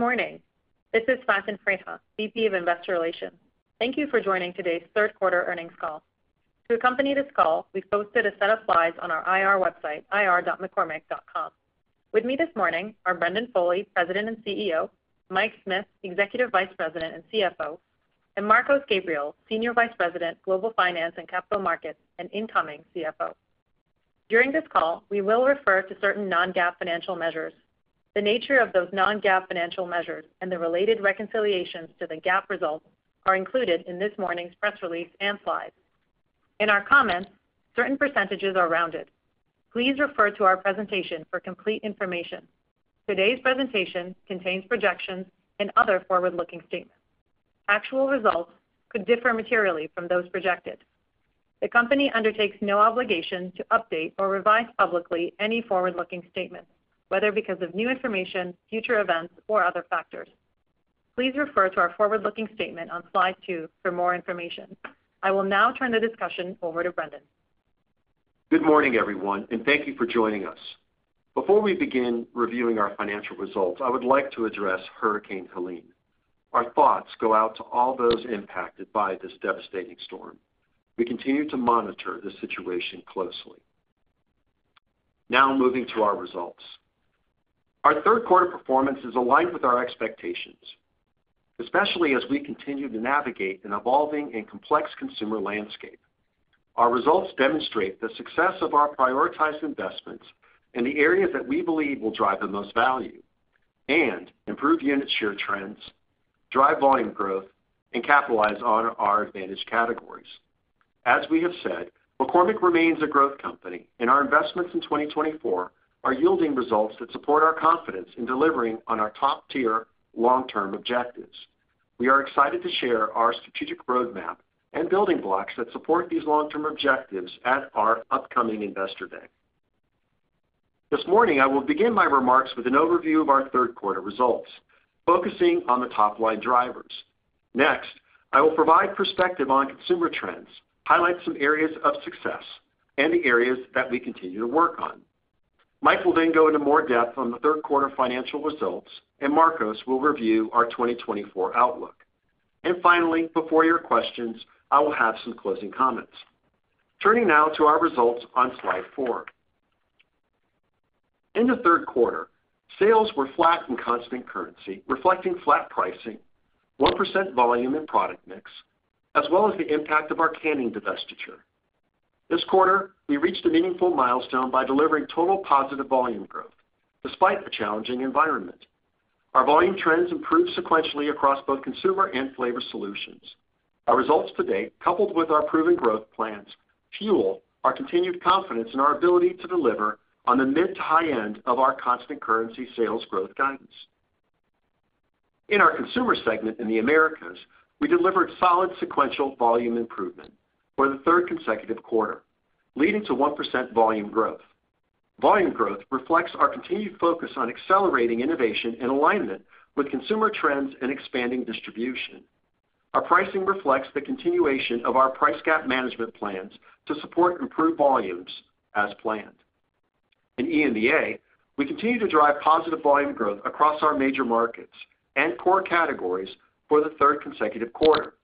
Good morning. This is Kirsten Freija, VP of Investor Relations. Thank you for joining today's third quarter earnings call. To accompany this call, we've posted a set of slides on our IR website, ir.mccormick.com. With me this morning are Brendan Foley, President and CEO, Mike Smith, Executive Vice President and CFO, and Marcos Gabriel, Senior Vice President, Global Finance and Capital Markets, and incoming CFO. During this call, we will refer to certain non-GAAP financial measures. The nature of those non-GAAP financial measures and the related reconciliations to the GAAP results are included in this morning's press release and slides. In our comments, certain percentages are rounded. Please refer to our presentation for complete information. Today's presentation contains projections and other forward-looking statements. Actual results could differ materially from those projected. The company undertakes no obligation to update or revise publicly any forward-looking statement, whether because of new information, future events, or other factors. Please refer to our forward-looking statement on slide two for more information. I will now turn the discussion over to Brendan. Good morning, everyone, and thank you for joining us. Before we begin reviewing our financial results, I would like to address Hurricane Helene. Our thoughts go out to all those impacted by this devastating storm. We continue to monitor the situation closely. Now, moving to our results. Our third quarter performance is aligned with our expectations, especially as we continue to navigate an evolving and complex consumer landscape. Our results demonstrate the success of our prioritized investments in the areas that we believe will drive the most value and improve unit share trends, drive volume growth, and capitalize on our advantage categories. As we have said, McCormick remains a growth company, and our investments in 2024 are yielding results that support our confidence in delivering on our top-tier long-term objectives. We are excited to share our strategic roadmap and building blocks that support these long-term objectives at our upcoming Investor Day. This morning, I will begin my remarks with an overview of our third quarter results, focusing on the top-line drivers. Next, I will provide perspective on consumer trends, highlight some areas of success and the areas that we continue to work on. Mike will then go into more depth on the third quarter financial results, and Marcos will review our 2024 outlook. And finally, before your questions, I will have some closing comments. Turning now to our results on slide four. In the third quarter, sales were flat in constant currency, reflecting flat pricing, 1% volume and product mix, as well as the impact of our canning divestiture. This quarter, we reached a meaningful milestone by delivering total positive volume growth, despite a challenging environment. Our volume trends improved sequentially across both Consumer and Flavor Solutions. Our results to date, coupled with our proven growth plans, fuel our continued confidence in our ability to deliver on the mid to high end of our constant currency sales growth guidance. In our Consumer segment in the Americas, we delivered solid sequential volume improvement for the third consecutive quarter, leading to 1% volume growth. Volume growth reflects our continued focus on accelerating innovation in alignment with consumer trends and expanding distribution. Our pricing reflects the continuation of our price gap management plans to support improved volumes as planned. In EMEA, we continue to drive positive volume growth across our major markets and core categories for the third consecutive quarter.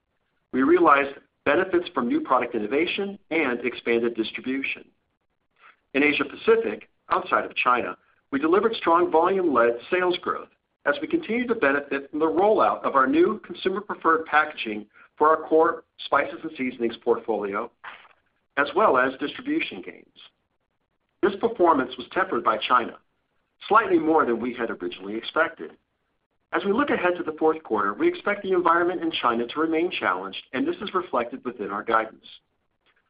We realized benefits from new product innovation and expanded distribution. In Asia Pacific, outside of China, we delivered strong volume-led sales growth as we continue to benefit from the rollout of our new consumer-preferred packaging for our core spices and seasonings portfolio, as well as distribution gains. This performance was tempered by China, slightly more than we had originally expected. As we look ahead to the fourth quarter, we expect the environment in China to remain challenged, and this is reflected within our guidance.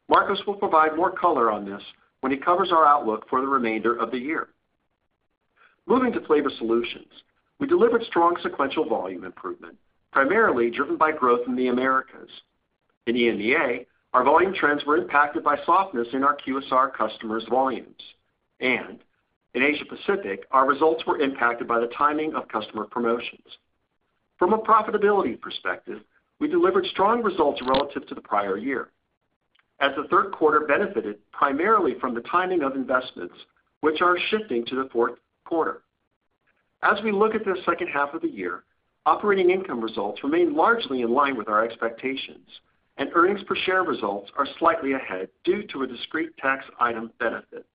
Marcos will provide more color on this when he covers our outlook for the remainder of the year. Moving to Flavor Solutions, we delivered strong sequential volume improvement, primarily driven by growth in the Americas. In EMEA, our volume trends were impacted by softness in our QSR customers' volumes, and in Asia Pacific, our results were impacted by the timing of customer promotions. From a profitability perspective, we delivered strong results relative to the prior year, as the third quarter benefited primarily from the timing of investments, which are shifting to the fourth quarter. As we look at the second half of the year, operating income results remain largely in line with our expectations, and earnings per share results are slightly ahead due to a discrete tax item benefit.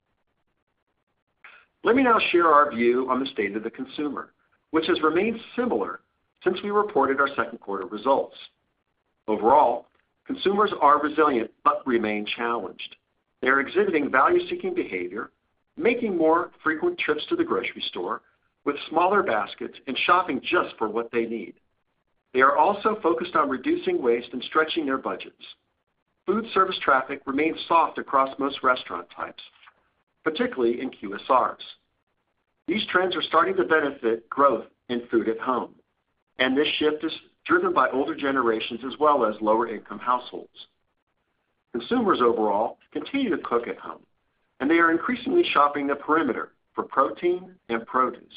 Let me now share our view on the state of the consumer, which has remained similar since we reported our second quarter results. Overall, consumers are resilient but remain challenged. They are exhibiting value-seeking behavior, making more frequent trips to the grocery store with smaller baskets and shopping just for what they need. They are also focused on reducing waste and stretching their budgets. Food service traffic remains soft across most restaurant types, particularly in QSRs. These trends are starting to benefit growth in food at home, and this shift is driven by older generations as well as lower-income households. Consumers overall continue to cook at home, and they are increasingly shopping the perimeter for protein and produce.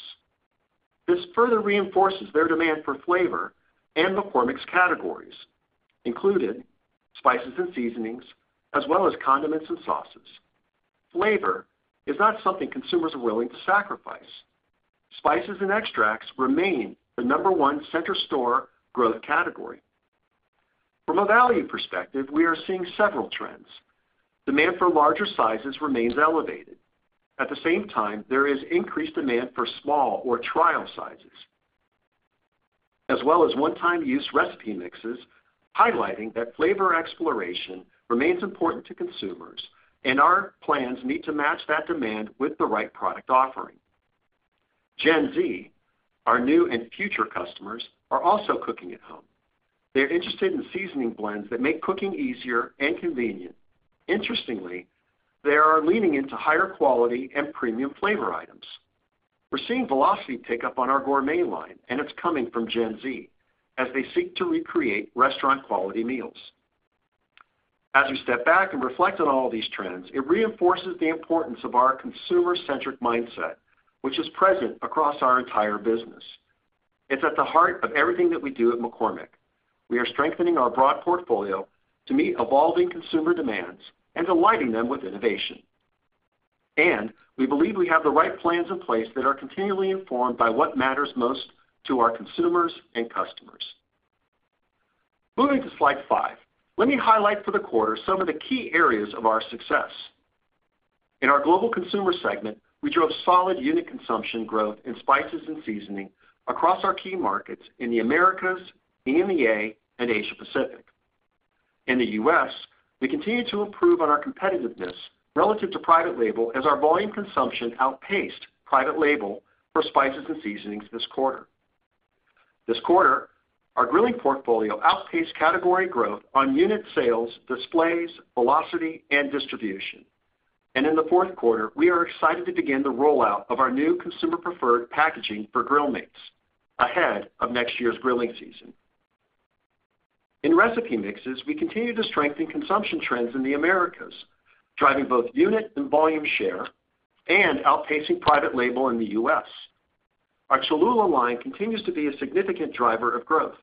This further reinforces their demand for flavor and McCormick's categories, including spices and seasonings, as well as condiments and sauces. Flavor is not something consumers are willing to sacrifice. Spices and extracts remain the number one center store growth category. From a value perspective, we are seeing several trends. Demand for larger sizes remains elevated. At the same time, there is increased demand for small or trial sizes, as well as one-time use recipe mixes, highlighting that flavor exploration remains important to consumers, and our plans need to match that demand with the right product offering. Gen Z, our new and future customers, are also cooking at home. They're interested in seasoning blends that make cooking easier and convenient. Interestingly, they are leaning into higher quality and premium flavor items. We're seeing velocity pick up on our Gourmet line, and it's coming from Gen Z as they seek to recreate restaurant-quality meals. As we step back and reflect on all these trends, it reinforces the importance of our consumer-centric mindset, which is present across our entire business. It's at the heart of everything that we do at McCormick. We are strengthening our broad portfolio to meet evolving consumer demands and delighting them with innovation, and we believe we have the right plans in place that are continually informed by what matters most to our consumers and customers. Moving to slide five, let me highlight for the quarter some of the key areas of our success. In our global Consumer segment, we drove solid unit consumption growth in spices and seasoning across our key markets in the Americas, EMEA, and Asia Pacific. In the U.S., we continue to improve on our competitiveness relative to private label, as our volume consumption outpaced private label for spices and seasonings this quarter. This quarter, our grilling portfolio outpaced category growth on unit sales, displays, velocity, and distribution. In the fourth quarter, we are excited to begin the rollout of our new consumer-preferred packaging for Grill Mates ahead of next year's grilling season. In recipe mixes, we continue to strengthen consumption trends in the Americas, driving both unit and volume share and outpacing private label in the U.S.. Our Cholula line continues to be a significant driver of growth.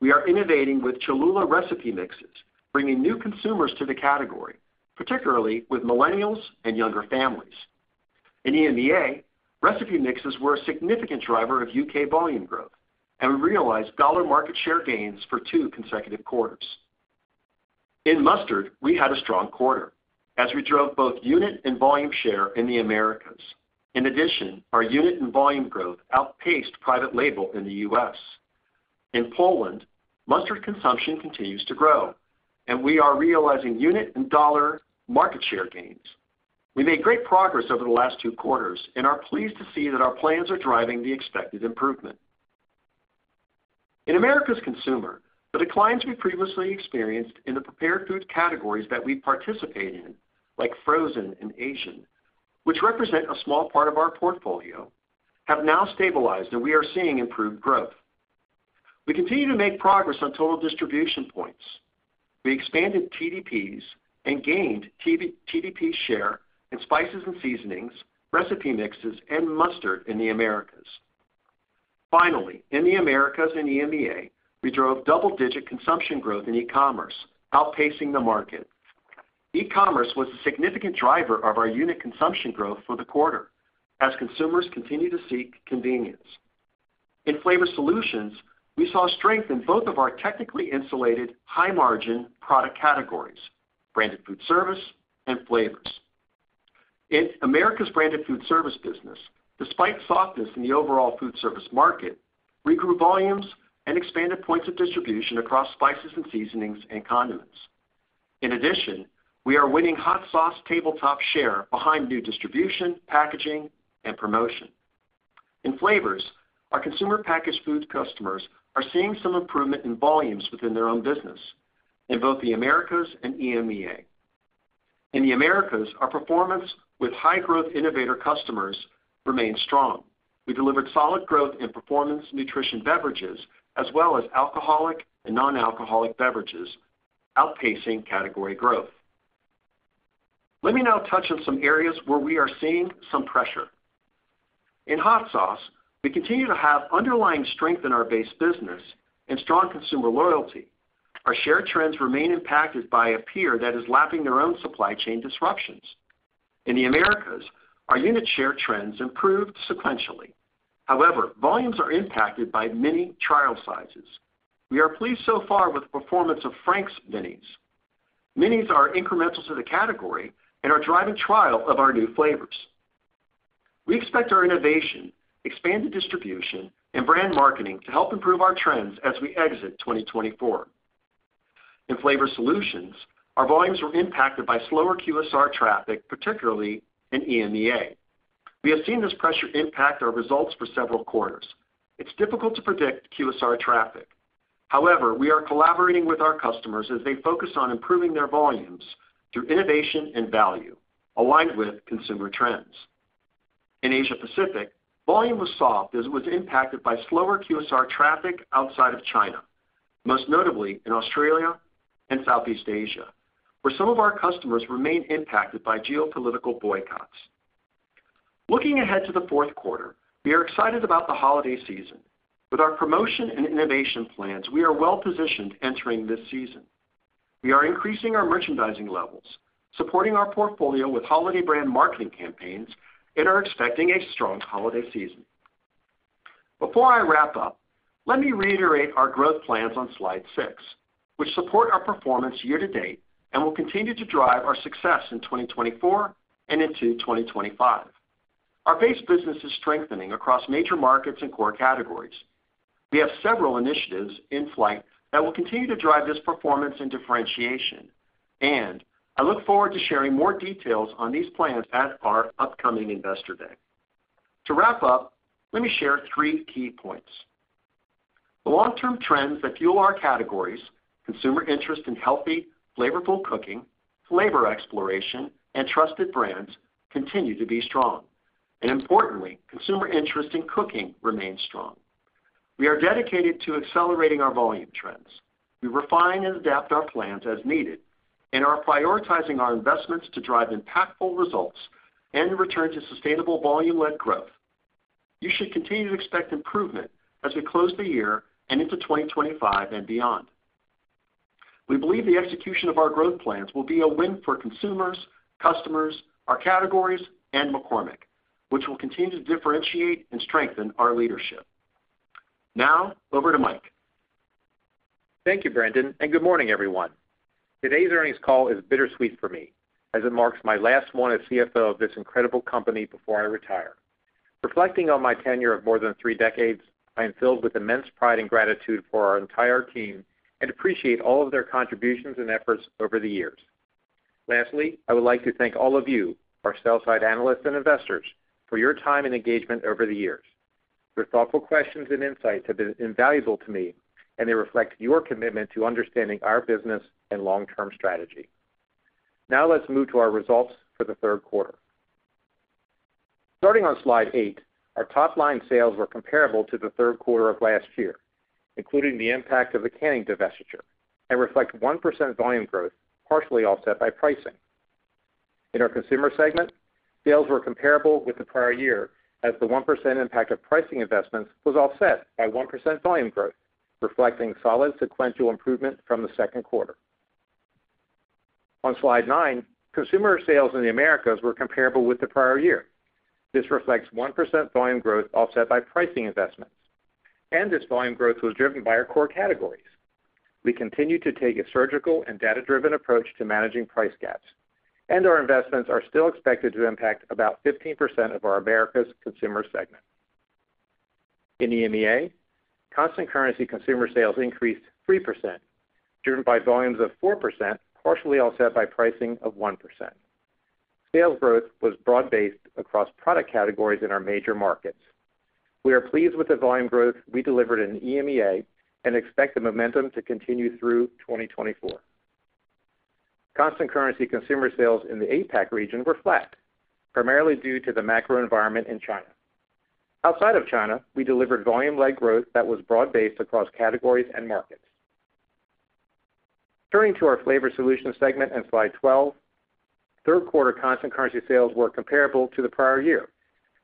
We are innovating with Cholula recipe mixes, bringing new consumers to the category, particularly with Millennials and younger families. In EMEA, recipe mixes were a significant driver of U.K. volume growth, and we realized dollar market share gains for two consecutive quarters. In mustard, we had a strong quarter as we drove both unit and volume share in the Americas. In addition, our unit and volume growth outpaced private label in the U.S. In Poland, mustard consumption continues to grow, and we are realizing unit and dollar market share gains. We made great progress over the last two quarters and are pleased to see that our plans are driving the expected improvement. In Americas Consumer, the declines we previously experienced in the prepared food categories that we participate in, like frozen and Asian, which represent a small part of our portfolio, have now stabilized, and we are seeing improved growth. We continue to make progress on total distribution points. We expanded TDPs and gained TDP share in spices and seasonings, recipe mixes, and mustard in the Americas. Finally, in the Americas and EMEA, we drove double-digit consumption growth in e-commerce, outpacing the market. E-commerce was a significant driver of our unit consumption growth for the quarter, as consumers continue to seek convenience. In Flavor Solutions, we saw strength in both of our technically insulated, high-margin product categories, branded food service and flavors. In the Americas' branded food service business, despite softness in the overall food service market, we grew volumes and expanded points of distribution across spices and seasonings and condiments. In addition, we are winning hot sauce tabletop share behind new distribution, packaging, and promotion. In flavors, our consumer packaged food customers are seeing some improvement in volumes within their own business in both the Americas and EMEA. In the Americas, our performance with high-growth innovator customers remains strong. We delivered solid growth in performance nutrition beverages, as well as alcoholic and non-alcoholic beverages, outpacing category growth. Let me now touch on some areas where we are seeing some pressure. In hot sauce, we continue to have underlying strength in our base business and strong consumer loyalty. Our share trends remain impacted by a peer that is lapping their own supply chain disruptions. In the Americas, our unit share trends improved sequentially. However, volumes are impacted by mini trial sizes. We are pleased so far with the performance of Frank's Minis. Minis are incremental to the category and are driving trial of our new flavors. We expect our innovation, expanded distribution, and brand marketing to help improve our trends as we exit 2024. In Flavor Solutions, our volumes were impacted by slower QSR traffic, particularly in EMEA. We have seen this pressure impact our results for several quarters. It's difficult to predict QSR traffic. However, we are collaborating with our customers as they focus on improving their volumes through innovation and value, aligned with consumer trends. In Asia Pacific, volume was soft as it was impacted by slower QSR traffic outside of China, most notably in Australia and Southeast Asia, where some of our customers remain impacted by geopolitical boycotts.... Looking ahead to the fourth quarter, we are excited about the holiday season. With our promotion and innovation plans, we are well-positioned entering this season. We are increasing our merchandising levels, supporting our portfolio with holiday brand marketing campaigns, and are expecting a strong holiday season. Before I wrap up, let me reiterate our growth plans on slide six, which support our performance year-to-date and will continue to drive our success in 2024 and into 2025. Our base business is strengthening across major markets and core categories. We have several initiatives in flight that will continue to drive this performance and differentiation, and I look forward to sharing more details on these plans at our upcoming Investor Day. To wrap up, let me share three key points. The long-term trends that fuel our categories, consumer interest in healthy, flavorful cooking, flavor exploration, and trusted brands, continue to be strong, and importantly, consumer interest in cooking remains strong. We are dedicated to accelerating our volume trends. We refine and adapt our plans as needed, and are prioritizing our investments to drive impactful results and return to sustainable volume-led growth. You should continue to expect improvement as we close the year and into 2025 and beyond. We believe the execution of our growth plans will be a win for consumers, customers, our categories, and McCormick, which will continue to differentiate and strengthen our leadership. Now, over to Mike. Thank you, Brendan, and good morning, everyone. Today's earnings call is bittersweet for me, as it marks my last one as CFO of this incredible company before I retire. Reflecting on my tenure of more than three decades, I am filled with immense pride and gratitude for our entire team and appreciate all of their contributions and efforts over the years. Lastly, I would like to thank all of you, our sell-side analysts and investors, for your time and engagement over the years. Your thoughtful questions and insights have been invaluable to me, and they reflect your commitment to understanding our business and long-term strategy. Now, let's move to our results for the third quarter. Starting on slide eight, our top line sales were comparable to the third quarter of last year, including the impact of the canning divestiture, and reflect 1% volume growth, partially offset by pricing. In our Consumer segment, sales were comparable with the prior year, as the 1% impact of pricing investments was offset by 1% volume growth, reflecting solid sequential improvement from the second quarter. On slide nine, consumer sales in the Americas were comparable with the prior year. This reflects 1% volume growth offset by pricing investments, and this volume growth was driven by our core categories. We continue to take a surgical and data-driven approach to managing price gaps, and our investments are still expected to impact about 15% of our Americas Consumer segment. In EMEA, constant currency consumer sales increased 3%, driven by volumes of 4%, partially offset by pricing of 1%. Sales growth was broad-based across product categories in our major markets. We are pleased with the volume growth we delivered in EMEA and expect the momentum to continue through 2024. Constant currency consumer sales in the APAC region were flat, primarily due to the macro environment in China. Outside of China, we delivered volume-led growth that was broad-based across categories and markets. Turning to our Flavor Solutions segment on slide 12, third quarter constant currency sales were comparable to the prior year,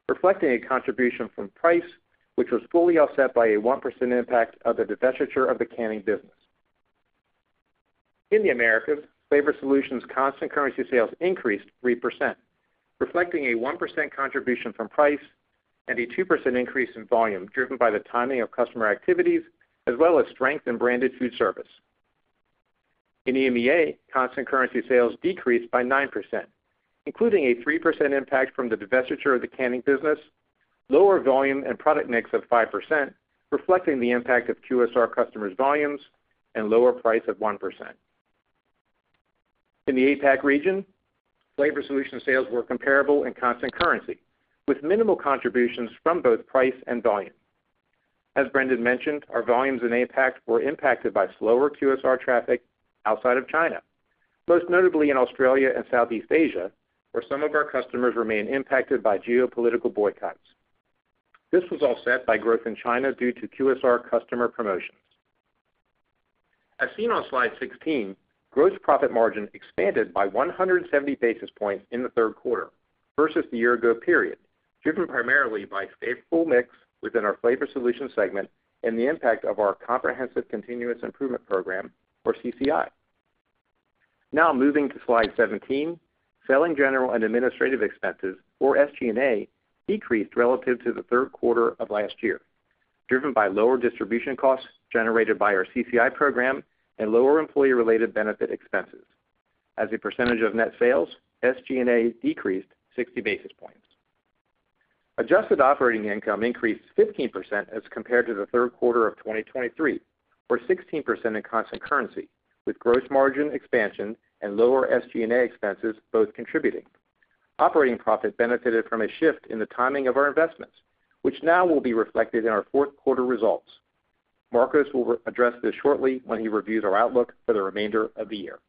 reflecting a contribution from price, which was fully offset by a 1% impact of the divestiture of the canning business. In the Americas, Flavor Solutions constant currency sales increased 3%, reflecting a 1% contribution from price and a 2% increase in volume, driven by the timing of customer activities, as well as strength in branded food service. In EMEA, constant currency sales decreased by 9%, including a 3% impact from the divestiture of the canning business, lower volume and product mix of 5%, reflecting the impact of QSR customers' volumes and lower price of 1%. In the APAC region, Flavor Solutions sales were comparable in constant currency, with minimal contributions from both price and volume. As Brendan mentioned, our volumes in APAC were impacted by slower QSR traffic outside of China, most notably in Australia and Southeast Asia, where some of our customers remain impacted by geopolitical boycotts. This was offset by growth in China due to QSR customer promotions. As seen on slide 16, gross profit margin expanded by 170 basis points in the third quarter versus the year ago period, driven primarily by favorable mix within our Flavor Solutions segment and the impact of our comprehensive continuous improvement program, or CCI. Now moving to slide 17, selling, general, and administrative expenses, or SG&A, decreased relative to the third quarter of last year, driven by lower distribution costs generated by our CCI program and lower employee-related benefit expenses. As a percentage of net sales, SG&A decreased 60 basis points. Adjusted operating income increased 15% as compared to the third quarter of 2023, or 16% in constant currency, with gross margin expansion and lower SG&A expenses both contributing. Operating profit benefited from a shift in the timing of our investments, which now will be reflected in our fourth quarter results. Marcos will address this shortly when he reviews our outlook for the remainder of the year.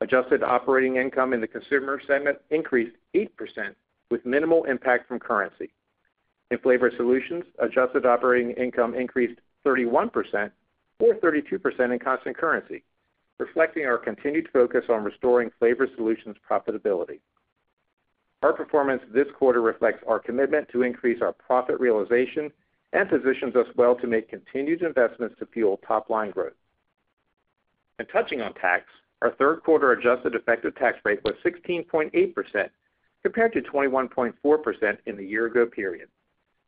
Adjusted operating income in the Consumer segment increased 8% with minimal impact from currency. In Flavor Solutions, adjusted operating income increased 31%, or 32% in constant currency, reflecting our continued focus on restoring Flavor Solutions profitability. Our performance this quarter reflects our commitment to increase our profit realization and positions us well to make continued investments to fuel top line growth, and touching on tax, our third quarter adjusted effective tax rate was 16.8%, compared to 21.4% in the year ago period.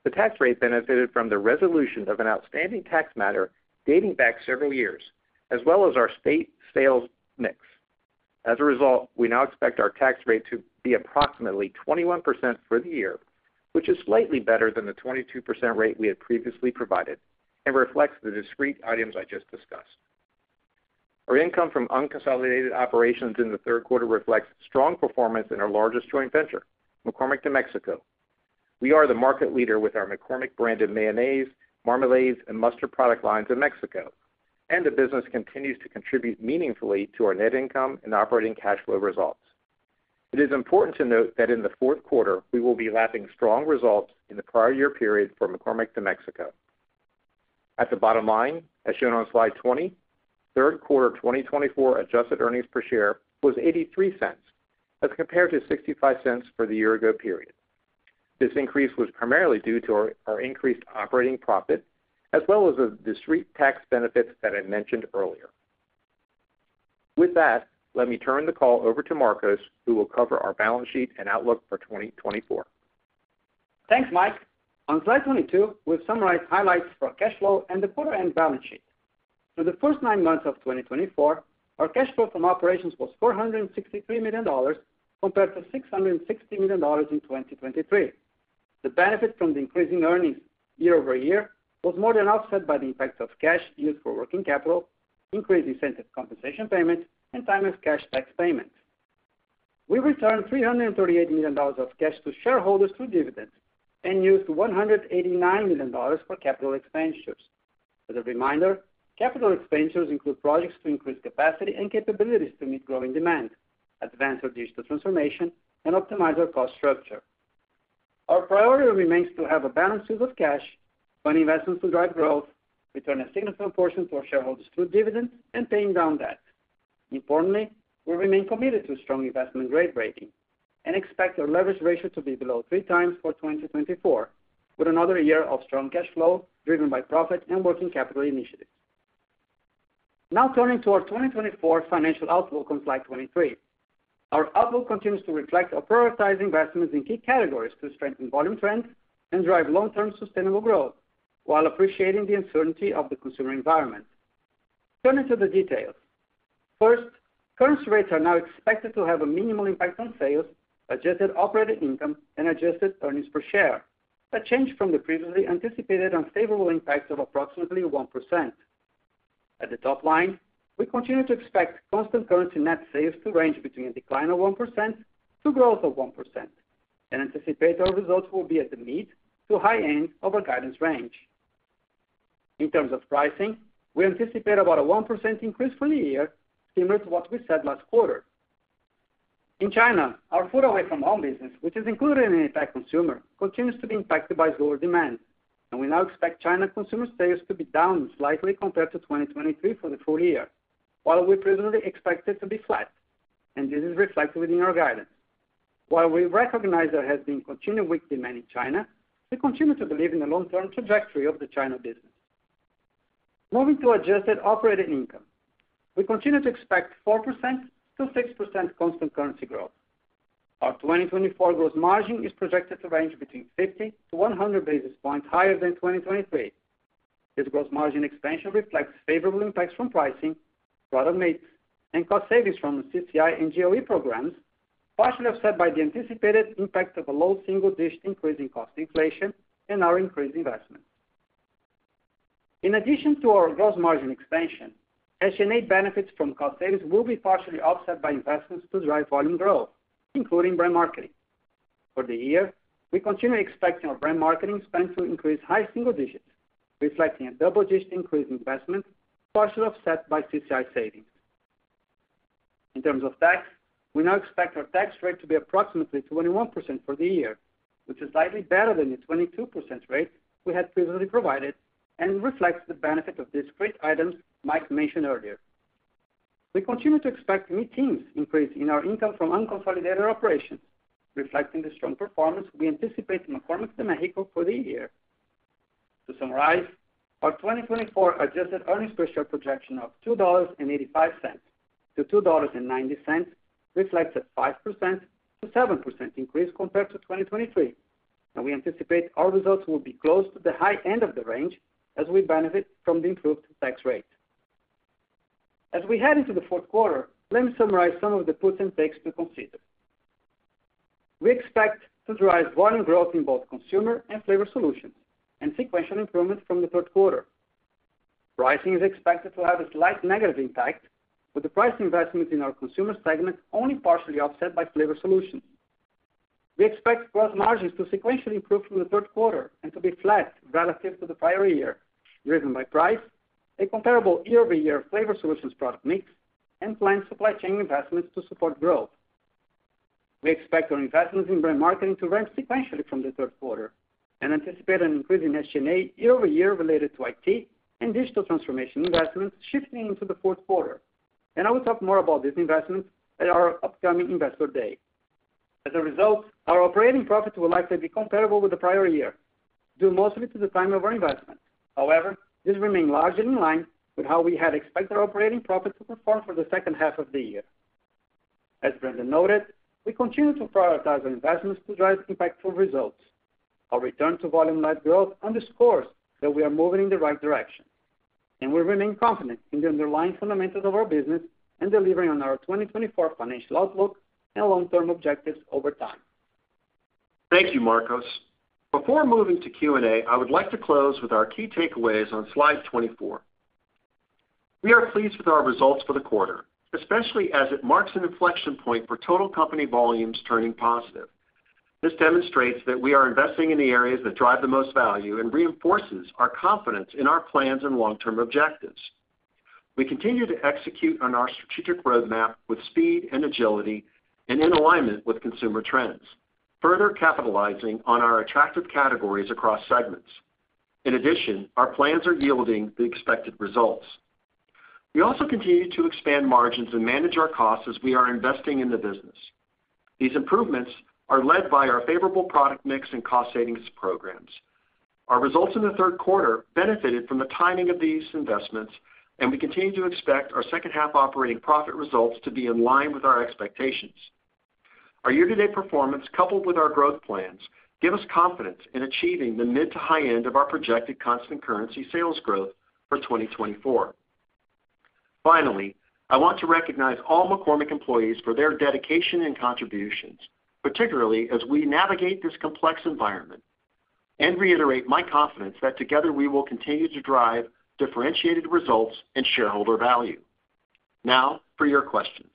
The tax rate benefited from the resolution of an outstanding tax matter dating back several years, as well as our state sales mix. As a result, we now expect our tax rate to be approximately 21% for the year, which is slightly better than the 22% rate we had previously provided and reflects the discrete items I just discussed. Our income from unconsolidated operations in the third quarter reflects strong performance in our largest joint venture, McCormick de Mexico. We are the market leader with our McCormick branded mayonnaise, marmalades, and mustard product lines in Mexico, and the business continues to contribute meaningfully to our net income and operating cash flow results. It is important to note that in the fourth quarter, we will be lapping strong results in the prior year period for McCormick de Mexico. At the bottom line, as shown on slide 20, third quarter 2024 adjusted earnings per share was $0.83, as compared to $0.65 for the year ago period. This increase was primarily due to our increased operating profit, as well as the discrete tax benefits that I mentioned earlier. With that, let me turn the call over to Marcos, who will cover our balance sheet and outlook for 2024. Thanks, Mike. On slide 22, we'll summarize highlights for cash flow and the quarter-end balance sheet. For the first nine months of 2024, our cash flow from operations was $463 million, compared to $660 million in 2023. The benefit from the increasing earnings year-over-year was more than offset by the impact of cash used for working capital, increased incentive compensation payments, and timely cash tax payments. We returned $338 million of cash to shareholders through dividends and used $189 million for capital expenditures. As a reminder, capital expenditures include projects to increase capacity and capabilities to meet growing demand, advance our digital transformation, and optimize our cost structure. Our priority remains to have a balanced use of cash, fund investments to drive growth, return a significant portion to our shareholders through dividends, and paying down debt. Importantly, we remain committed to strong investment grade rating and expect our leverage ratio to be below three times for 2024, with another year of strong cash flow driven by profit and working capital initiatives. Now turning to our 2024 financial outlook on slide 23. Our outlook continues to reflect our prioritized investments in key categories to strengthen volume trends and drive long-term sustainable growth, while appreciating the uncertainty of the consumer environment. Turning to the details. First, currency rates are now expected to have a minimal impact on sales, adjusted operating income, and adjusted earnings per share. A change from the previously anticipated unfavorable impact of approximately 1%. At the top line, we continue to expect constant currency net sales to range between a decline of 1% to growth of 1%, and anticipate our results will be at the mid to high end of our guidance range. In terms of pricing, we anticipate about a 1% increase for the year, similar to what we said last quarter. In China, our food away from home business, which is included in the APAC Consumer, continues to be impacted by lower demand, and we now expect China consumer sales to be down slightly compared to 2023 for the full year, while we previously expected to be flat, and this is reflected within our guidance. While we recognize there has been continued weak demand in China, we continue to believe in the long-term trajectory of the China business. Moving to adjusted operating income. We continue to expect 4% to 6% constant currency growth. Our 2024 gross margin is projected to range between 50 to 100 basis points higher than 2023. This gross margin expansion reflects favorable impacts from pricing, product mix, and cost savings from the CCI and GOE programs, partially offset by the anticipated impact of a low single digit increase in cost inflation and our increased investment. In addition to our gross margin expansion, SG&A benefits from cost savings will be partially offset by investments to drive volume growth, including brand marketing. For the year, we continue expecting our brand marketing spend to increase high single digits, reflecting a double-digit increase in investment, partially offset by CCI savings. In terms of tax, we now expect our tax rate to be approximately 21% for the year, which is slightly better than the 22% rate we had previously provided and reflects the benefit of discrete items Mike mentioned earlier. We continue to expect mid-teens increase in our income from unconsolidated operations, reflecting the strong performance we anticipate in McCormick de Mexico for the year. To summarize, our 2024 adjusted earnings per share projection of $2.85 to $2.90 reflects a 5% to 7% increase compared to 2023, and we anticipate our results will be close to the high end of the range as we benefit from the improved tax rate. As we head into the fourth quarter, let me summarize some of the puts and takes to consider. We expect to drive volume growth in both consumer and flavor solutions and sequential improvement from the third quarter. Pricing is expected to have a slight negative impact, with the price investment in our Consumer segment only partially offset by flavor solutions. We expect gross margins to sequentially improve from the third quarter and to be flat relative to the prior year, driven by price, a comparable year-over-year flavor solutions product mix, and planned supply chain investments to support growth. We expect our investments in brand marketing to ramp sequentially from the third quarter and anticipate an increase in SG&A year-over-year related to IT and digital transformation investments shifting into the fourth quarter. And I will talk more about these investments at our upcoming Investor Day. As a result, our operating profit will likely be comparable with the prior year, due mostly to the timing of our investment. However, this remains largely in line with how we had expected our operating profit to perform for the second half of the year. As Brendan noted, we continue to prioritize our investments to drive impactful results. Our return to volume-led growth underscores that we are moving in the right direction, and we remain confident in the underlying fundamentals of our business and delivering on our 2024 financial outlook and long-term objectives over time. Thank you, Marcos. Before moving to Q&A, I would like to close with our key takeaways on slide twenty-four. We are pleased with our results for the quarter, especially as it marks an inflection point for total company volumes turning positive. This demonstrates that we are investing in the areas that drive the most value and reinforces our confidence in our plans and long-term objectives. We continue to execute on our strategic roadmap with speed and agility and in alignment with consumer trends, further capitalizing on our attractive categories across segments. In addition, our plans are yielding the expected results. We also continue to expand margins and manage our costs as we are investing in the business. These improvements are led by our favorable product mix and cost savings programs. Our results in the third quarter benefited from the timing of these investments, and we continue to expect our second half operating profit results to be in line with our expectations. Our year-to-date performance, coupled with our growth plans, give us confidence in achieving the mid to high end of our projected constant currency sales growth for 2024. Finally, I want to recognize all McCormick employees for their dedication and contributions, particularly as we navigate this complex environment, and reiterate my confidence that together, we will continue to drive differentiated results and shareholder value. Now for your questions.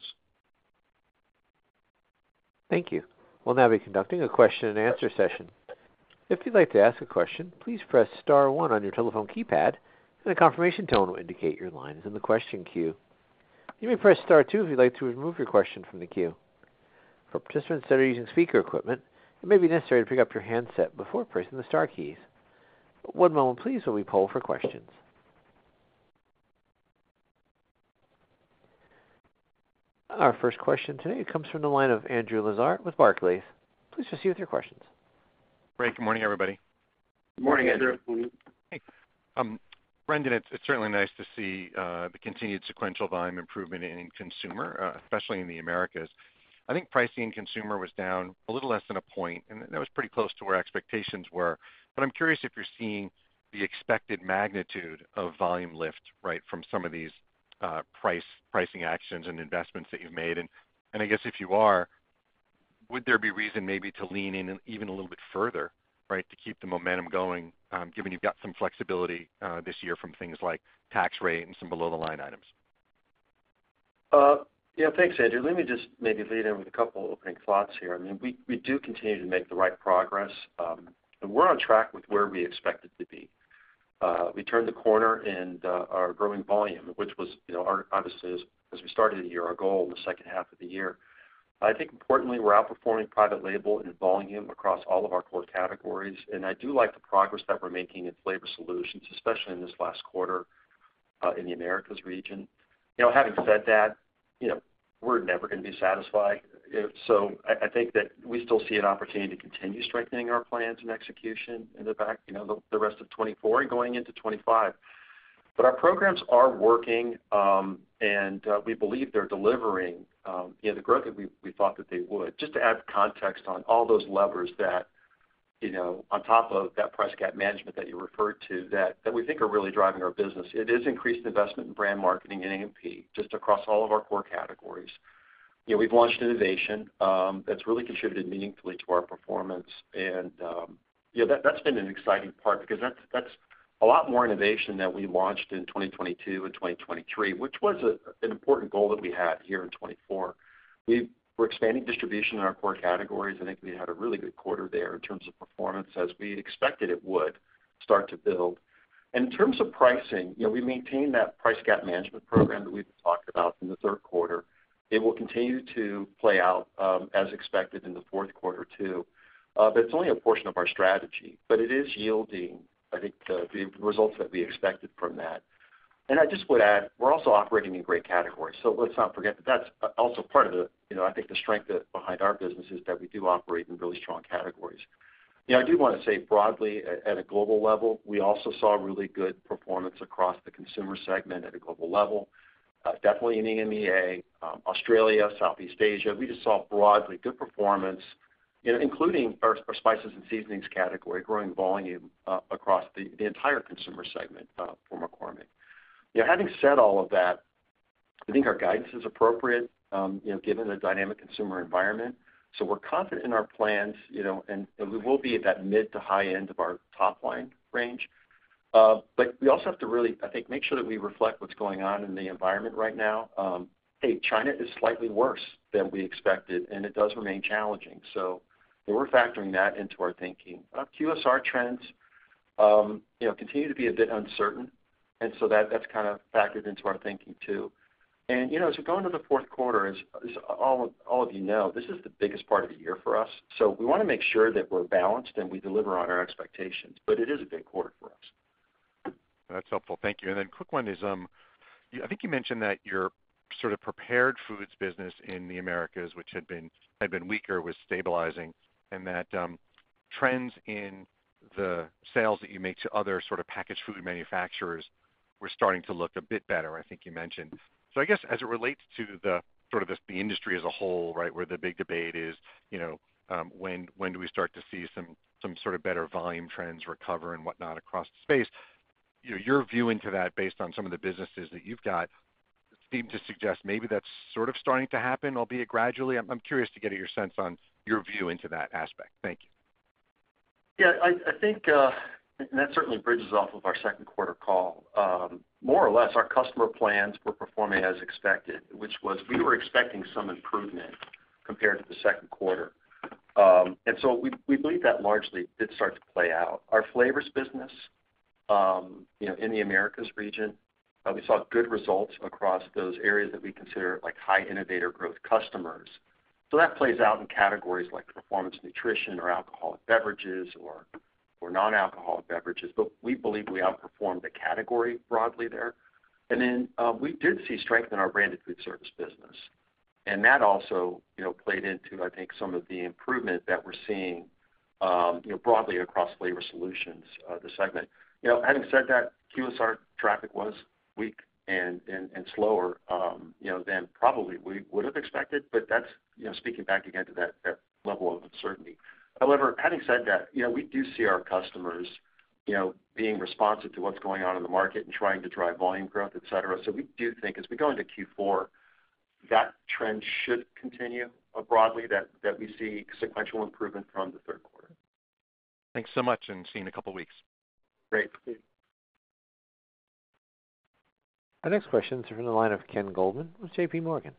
Thank you. We'll now be conducting a question and answer session. If you'd like to ask a question, please press star one on your telephone keypad, and a confirmation tone will indicate your line is in the question queue. You may press star two if you'd like to remove your question from the queue. For participants that are using speaker equipment, it may be necessary to pick up your handset before pressing the star keys. One moment, please, while we poll for questions. Our first question today comes from the line of Andrew Lazar with Barclays. Please proceed with your questions. Great. Good morning, everybody. Good morning, Andrew. Good morning. Thanks. Brendan, it's certainly nice to see the continued sequential volume improvement in Consumer, especially in the Americas. I think pricing in Consumer was down a little less than a point, and that was pretty close to where expectations were. But I'm curious if you're seeing the expected magnitude of volume lift, right, from some of these pricing actions and investments that you've made. And I guess, if you are, would there be reason maybe to lean in even a little bit further, right, to keep the momentum going, given you've got some flexibility this year from things like tax rate and some below-the-line items? Yeah, thanks, Andrew. Let me just maybe lead in with a couple opening thoughts here. I mean, we do continue to make the right progress, and we're on track with where we expected to be. We turned the corner in our growing volume, which was, you know, our-- obviously, as we started the year, our goal in the second half of the year. I think importantly, we're outperforming private label in volume across all of our core categories, and I do like the progress that we're making in flavor solutions, especially in this last quarter, in the Americas region. You know, having said that, you know, we're never going to be satisfied. So I think that we still see an opportunity to continue strengthening our plans and execution in the back, you know, the rest of 2024 and going into 2025. But our programs are working, and we believe they're delivering, you know, the growth that we thought that they would. Just to add context on all those levers that, you know, on top of that price gap management that you referred to, that we think are really driving our business, it is increased investment in brand marketing and A&P, just across all of our core categories. You know, we've launched innovation, that's really contributed meaningfully to our performance. And, yeah, that's been an exciting part because that's a lot more innovation than we launched in 2022 and 2023, which was an important goal that we had here in 2024. We're expanding distribution in our core categories. I think we had a really good quarter there in terms of performance, as we expected it would start to build. And in terms of pricing, you know, we maintained that price gap management program that we've talked about in the third quarter. It will continue to play out, as expected, in the fourth quarter, too. But it's only a portion of our strategy, but it is yielding, I think, the results that we expected from that. And I just would add, we're also operating in great categories, so let's not forget that that's also part of the, you know, I think the strength behind our business is that we do operate in really strong categories. You know, I do want to say broadly, at a global level, we also saw really good performance across the Consumer segment at a global level. Definitely in the EMEA, Australia, Southeast Asia, we just saw broadly good performance, you know, including our spices and seasonings category, growing volume across the entire Consumer segment for McCormick. You know, having said all of that, I think our guidance is appropriate, you know, given the dynamic consumer environment. So we're confident in our plans, you know, and we will be at that mid to high end of our top line range. But we also have to really, I think, make sure that we reflect what's going on in the environment right now. Hey, China is slightly worse than we expected, and it does remain challenging, so and we're factoring that into our thinking. QSR trends, you know, continue to be a bit uncertain. And so that, that's kind of factored into our thinking, too. You know, as we go into the fourth quarter, as all of you know, this is the biggest part of the year for us. We wanna make sure that we're balanced and we deliver on our expectations, but it is a big quarter for us. That's helpful. Thank you. And then quick one is, you, I think you mentioned that your sort of prepared foods business in the Americas, which had been weaker, was stabilizing, and that trends in the sales that you make to other sort of packaged food manufacturers were starting to look a bit better, I think you mentioned. So I guess, as it relates to the sort of industry as a whole, right, where the big debate is, you know, when do we start to see some sort of better volume trends recover and whatnot across the space? You know, your view into that based on some of the businesses that you've got seem to suggest maybe that's sort of starting to happen, albeit gradually. I'm curious to get your sense on your view into that aspect. Thank you. Yeah, I think, and that certainly bridges off of our second quarter call. More or less, our customer plans were performing as expected, which was we were expecting some improvement compared to the second quarter. And so we believe that largely did start to play out. Our flavors business, you know, in the Americas region, we saw good results across those areas that we consider, like, high innovator growth customers. So that plays out in categories like performance nutrition or alcoholic beverages or non-alcoholic beverages, but we believe we outperformed the category broadly there. And then, we did see strength in our branded food service business, and that also, you know, played into, I think, some of the improvement that we're seeing, you know, broadly across flavor solutions, the segment. You know, having said that, QSR traffic was weak and slower, you know, than probably we would have expected, but that's, you know, speaking back again to that level of uncertainty. However, having said that, you know, we do see our customers, you know, being responsive to what's going on in the market and trying to drive volume growth, et cetera. So we do think as we go into Q4, that trend should continue, broadly, that we see sequential improvement from the third quarter. Thanks so much, and see you in a couple of weeks. Great. Our next question is from the line of Ken Goldman with JPMorgan.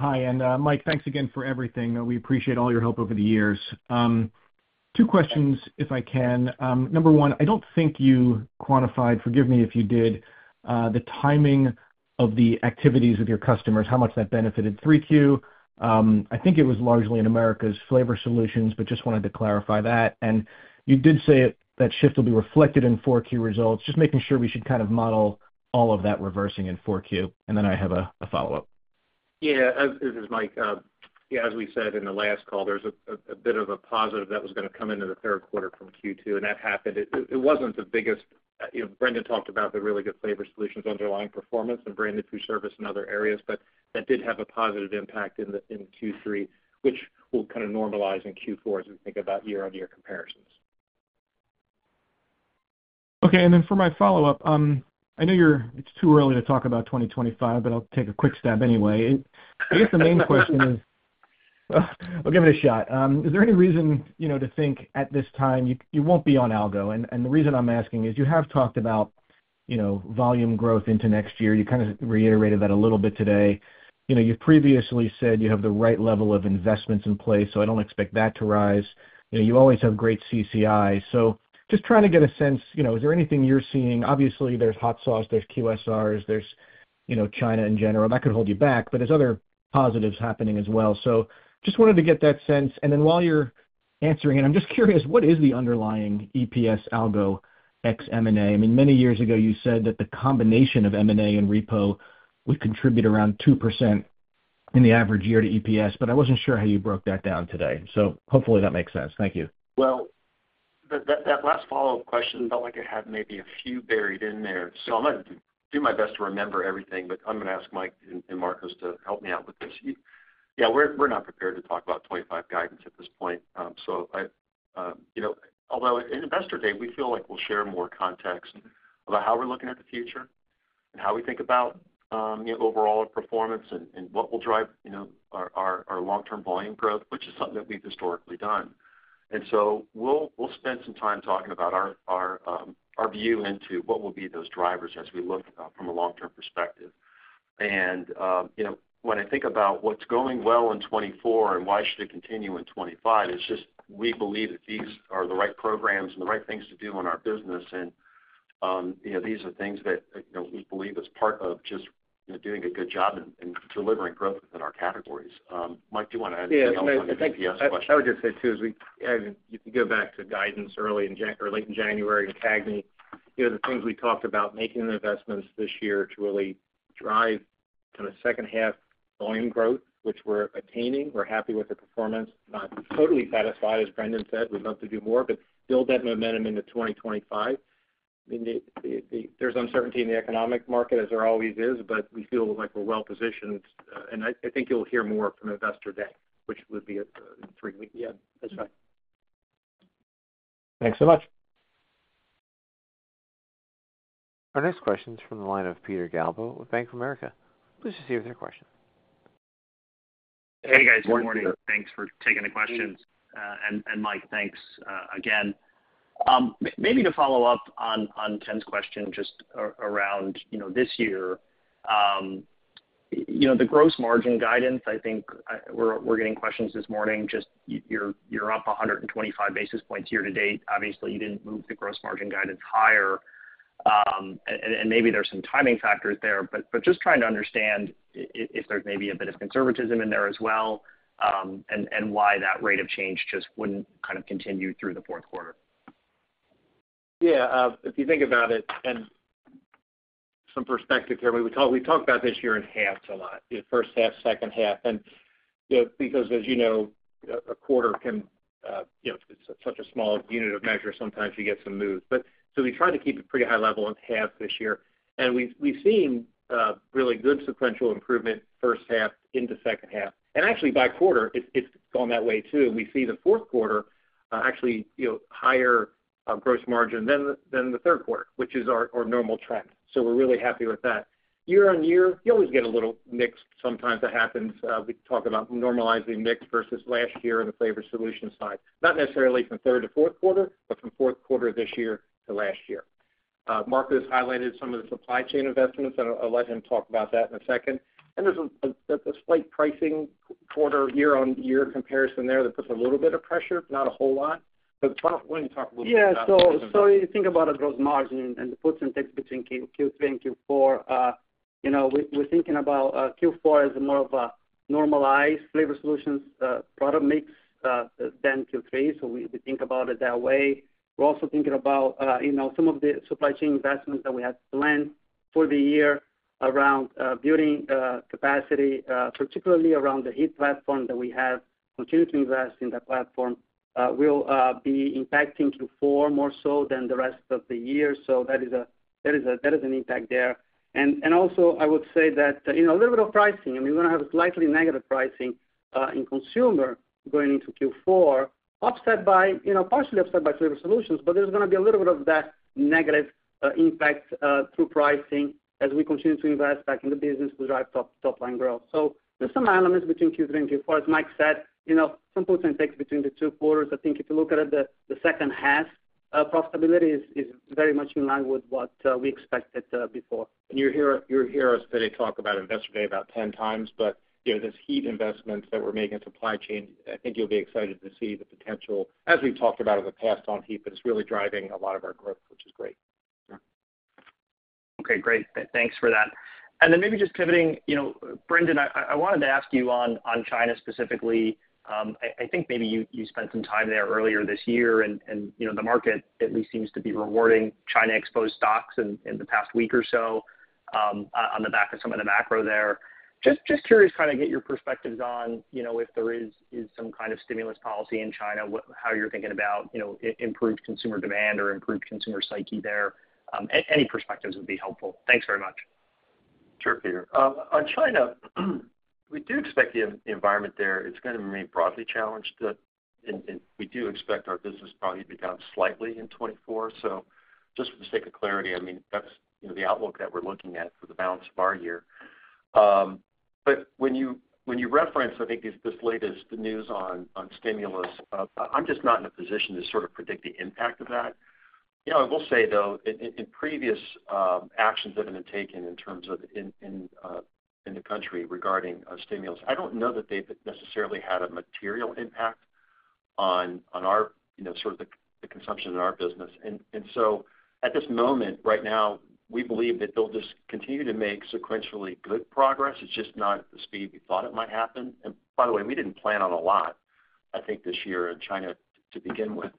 Hi, and, Mike, thanks again for everything. We appreciate all your help over the years. Two questions, if I can. Number one, I don't think you quantified, forgive me if you did, the timing of the activities of your customers, how much that benefited 3Q. I think it was largely in Americas flavor solutions, but just wanted to clarify that. And you did say it, that shift will be reflected in 4Q results. Just making sure we should kind of model all of that reversing in 4Q, and then I have a follow-up. Yeah, as this is Mike. Yeah, as we said in the last call, there's a bit of a positive that was gonna come into the third quarter from Q2, and that happened. It wasn't the biggest, you know, Brendan talked about the really good flavor solutions underlying performance and branded food service in other areas, but that did have a positive impact in Q3, which will kind of normalize in Q4 as we think about year-on-year comparisons. Okay. And then for my follow-up, I know it's too early to talk about 2025, but I'll take a quick stab anyway. I guess the main question is. I'll give it a shot. Is there any reason, you know, to think at this time, you won't be on algo? And the reason I'm asking is you have talked about, you know, volume growth into next year. You kind of reiterated that a little bit today. You know, you previously said you have the right level of investments in place, so I don't expect that to rise. You know, you always have great CCIs. So just trying to get a sense, you know, is there anything you're seeing? Obviously, there's hot sauce, there's QSRs, there's, you know, China in general, that could hold you back, but there's other positives happening as well. So just wanted to get that sense. And then while you're answering, and I'm just curious, what is the underlying EPS algo ex M&A? I mean, many years ago, you said that the combination of M&A and repo would contribute around 2% in the average year to EPS, but I wasn't sure how you broke that down today. So hopefully that makes sense. Thank you. That last follow-up question felt like it had maybe a few buried in there. So I'm gonna do my best to remember everything, but I'm gonna ask Mike and Marcos to help me out with this. Yeah, we're not prepared to talk about 2025 guidance at this point. You know, although in Investor Day, we feel like we'll share more context about how we're looking at the future and how we think about you know overall performance and what will drive you know our long-term volume growth, which is something that we've historically done. And so we'll spend some time talking about our view into what will be those drivers as we look from a long-term perspective. You know, when I think about what's going well in 2024 and why should it continue in 2025, it's just we believe that these are the right programs and the right things to do in our business. You know, these are things that, you know, we believe is part of just, you know, doing a good job and delivering growth within our categories. Mike, do you want to add anything on the EPS question? Yeah, I would just say, too, as we. If you go back to guidance early in January, or late in January, in CAGNY, you know, the things we talked about making the investments this year to really drive kind of second half volume growth, which we're attaining. We're happy with the performance. Not totally satisfied, as Brendan said. We'd love to do more, but build that momentum into 2025. I mean, the, there's uncertainty in the economic market, as there always is, but we feel like we're well-positioned. And I think you'll hear more from Investor Day, which would be at three weeks. Yeah, that's right. Thanks so much. Our next question is from the line of Peter Galbo with Bank of America. Please just hear their question. Hey, guys, good morning. Thanks for taking the questions. And Mike, thanks again. Maybe to follow up on Ken's question, just around, you know, this year, you know, the gross margin guidance, I think, we're getting questions this morning, just you're up 125 basis points year to date. Obviously, you didn't move the gross margin guidance higher. And maybe there's some timing factors there, but just trying to understand if there's maybe a bit of conservatism in there as well, and why that rate of change just wouldn't kind of continue through the fourth quarter. Yeah, if you think about it, and some perspective here, we've talked about this year in halves a lot, the first half, second half, and, you know, because as you know, a quarter can, you know, it's such a small unit of measure, sometimes you get some moves. But so we tried to keep it pretty high level in halves this year, and we've seen really good sequential improvement first half into second half. And actually, by quarter, it's gone that way, too. We see the fourth quarter actually, you know, higher gross margin than the third quarter, which is our normal trend. So we're really happy with that. year-on-year, you always get a little mixed. Sometimes it happens, we talk about normalizing mix versus last year on the flavor solution side, not necessarily from third to fourth quarter, but from fourth quarter this year to last year. Marcos has highlighted some of the supply chain investments, and I'll let him talk about that in a second, and there's a slight pricing quarter year-on-year comparison there that puts a little bit of pressure, not a whole lot, but why don't you talk a little bit about that? Yeah, so you think about a gross margin and the puts and takes between Q3 and Q4, you know, we, we're thinking about Q4 as more of a normalized flavor solutions product mix than Q3, so we think about it that way. We're also thinking about, you know, some of the supply chain investments that we had planned for the year around building capacity, particularly around the Heat Platform that we have. Continue to invest in that platform will be impacting Q4 more so than the rest of the year. So that is an impact there. Also, I would say that, you know, a little bit of pricing, and we're gonna have a slightly negative pricing in consumer going into Q4, offset by, you know, partially offset by flavor solutions, but there's gonna be a little bit of that negative impact through pricing as we continue to invest back in the business to drive top line growth. So there's some elements between Q3 and Q4. As Mike said, you know, some puts and takes between the two quarters. I think if you look at it, the second half profitability is very much in line with what we expected before. You'll hear, you'll hear us today talk about Investor Day about ten times, but, you know, this heat investments that we're making in supply chain. I think you'll be excited to see the potential, as we've talked about in the past, on heat, but it's really driving a lot of our growth, which is great. Okay, great. Thanks for that. And then maybe just pivoting, you know, Brendan, I wanted to ask you on China specifically. I think maybe you spent some time there earlier this year, and you know, the market at least seems to be rewarding China-exposed stocks in the past week or so, on the back of some of the macro there. Just curious, kind of get your perspectives on, you know, if there is some kind of stimulus policy in China, what how you're thinking about, you know, improved consumer demand or improved consumer psyche there. Any perspectives would be helpful. Thanks very much. Sure, Peter. On China, we do expect the environment there is gonna remain broadly challenged, and we do expect our business to probably be down slightly in 2024. So just for the sake of clarity, I mean, that's, you know, the outlook that we're looking at for the balance of our year. But when you reference, I think, this latest news on stimulus, I'm just not in a position to sort of predict the impact of that. You know, I will say, though, in previous actions that have been taken in terms of in the country regarding stimulus, I don't know that they've necessarily had a material impact on our, you know, sort of the consumption in our business. And so at this moment, right now, we believe that they'll just continue to make sequentially good progress. It's just not at the speed we thought it might happen. And by the way, we didn't plan on a lot, I think, this year in China to begin with.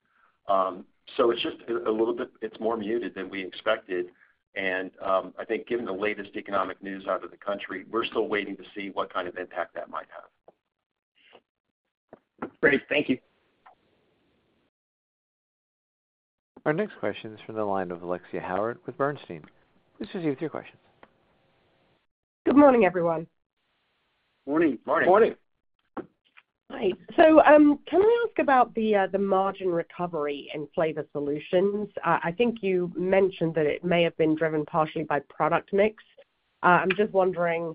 So it's just a little bit. It's more muted than we expected, and I think given the latest economic news out of the country, we're still waiting to see what kind of impact that might have. Great. Thank you. Our next question is from the line of Alexia Howard with Bernstein. Please proceed with your questions. Good morning, everyone. Morning. Morning. Hi. So, can I ask about the margin recovery in flavor solutions? I think you mentioned that it may have been driven partially by product mix. I'm just wondering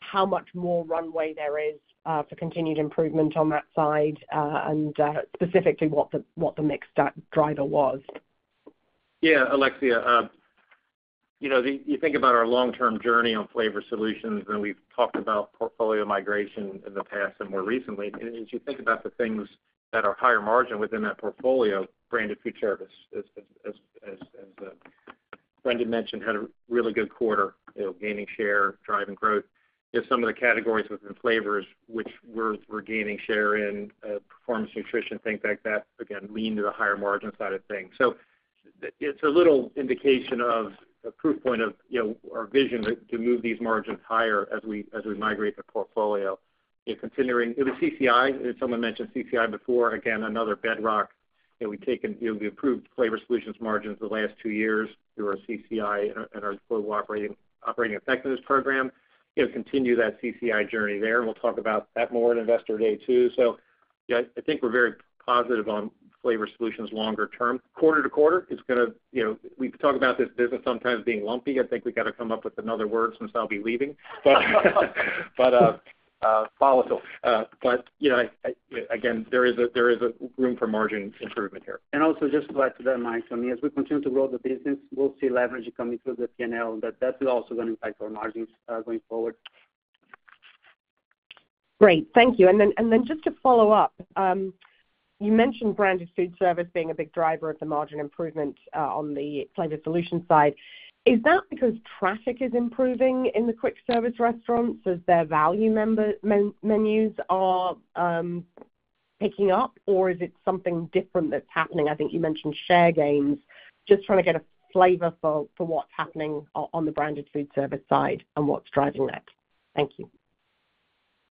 how much more runway there is for continued improvement on that side, and specifically, what the mix driver was. Yeah, Alexia, you know, you think about our long-term journey on flavor solutions, and we've talked about portfolio migration in the past and more recently. And as you think about the things that are higher margin within that portfolio, branded food service, as Brendan mentioned, had a really good quarter, you know, gaining share, driving growth. You know, some of the categories within flavors, which we're gaining share in, performance nutrition, things like that, again, lean to the higher margin side of things. So, it's a little indication of a proof point of, you know, our vision to move these margins higher as we migrate the portfolio. In considering the CCI, someone mentioned CCI before, again, another bedrock that we've taken. You know, we improved flavor solutions margins the last two years through our CCI and our global operating effectiveness program. You know, continue that CCI journey there, and we'll talk about that more at Investor Day, too. So, yeah, I think we're very positive on flavor solutions longer term. Quarter to quarter, it's gonna, you know, we've talked about this business sometimes being lumpy. I think we've got to come up with another word since I'll be leaving.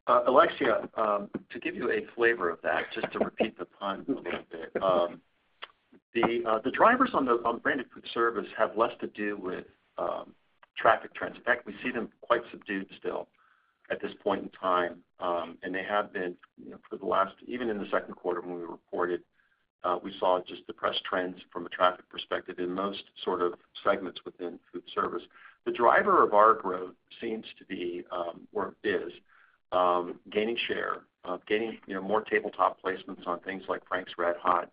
The drivers on branded food service have less to do with traffic trends. In fact, we see them quite subdued still at this point in time, and they have been, you know, even in the second quarter when we reported, we saw just depressed trends from a traffic perspective in most sort of segments within food service. The driver of our growth seems to be or is gaining share, gaining, you know, more tabletop placements on things like Frank's RedHot.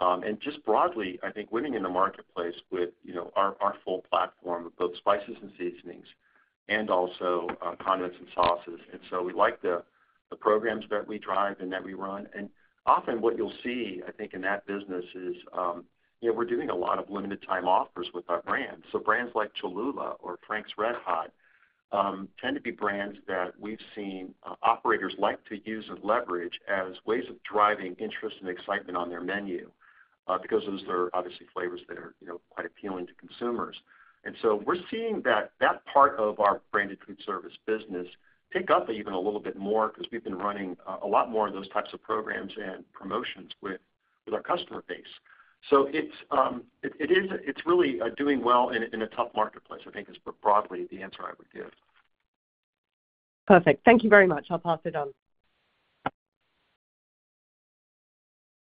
And just broadly, I think winning in the marketplace with, you know, our full platform of both spices and seasonings and also condiments and sauces. So we like the programs that we drive and that we run. And often what you'll see, I think, in that business is, you know, we're doing a lot of limited time offers with our brands. So brands like Cholula or Frank's RedHot tend to be brands that we've seen operators like to use and leverage as ways of driving interest and excitement on their menu because those are obviously flavors that are, you know, quite appealing to consumers. And so we're seeing that part of our branded food service business pick up even a little bit more because we've been running a lot more of those types of programs and promotions with our customer base. So it is really doing well in a tough marketplace, I think, is broadly the answer I would give. Perfect. Thank you very much. I'll pass it on.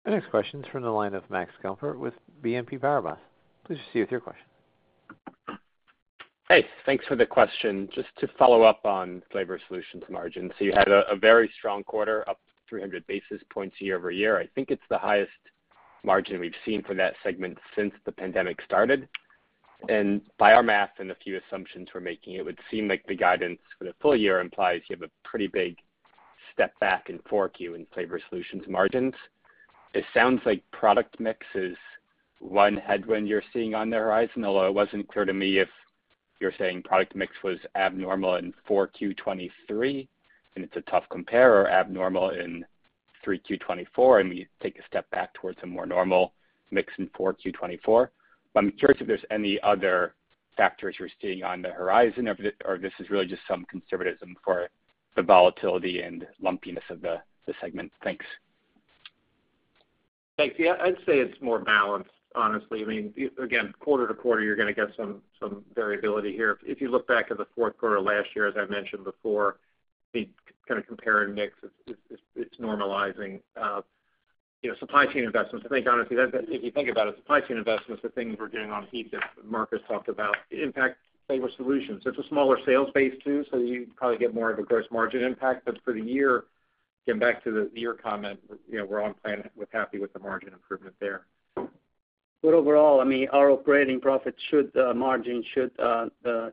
The next question is from the line of Max Gumport with BNP Paribas. Please proceed with your question. Hey, thanks for the question. Just to follow up on flavor solutions margins, so you had a very strong quarter, up 300 basis points year-over-year. I think it's the highest margin we've seen for that segment since the pandemic started. By our math and a few assumptions we're making, it would seem like the guidance for the full year implies you have a pretty big step back in 4Q in flavor solutions margins. It sounds like product mix is one headwind you're seeing on the horizon, although it wasn't clear to me if you're saying product mix was abnormal in 4Q 2023, and it's a tough compare or abnormal in 3Q 2024, and you take a step back towards a more normal mix in 4Q 2024. But I'm curious if there's any other factors you're seeing on the horizon, or this is really just some conservatism for the volatility and lumpiness of the segment? Thanks. Thanks. Yeah, I'd say it's more balanced, honestly. I mean, again, quarter to quarter, you're gonna get some variability here. If you look back at the fourth quarter of last year, as I mentioned before, the kinda compare and mix, it's normalizing. You know, supply chain investments, I think, honestly, that, if you think about it, the things we're doing on heat that Marcos talked about, impact flavor solutions. It's a smaller sales base, too, so you probably get more of a gross margin impact. But for the year, getting back to the year comment, you know, we're on plan. We're happy with the margin improvement there. But overall, I mean, our operating profit margin should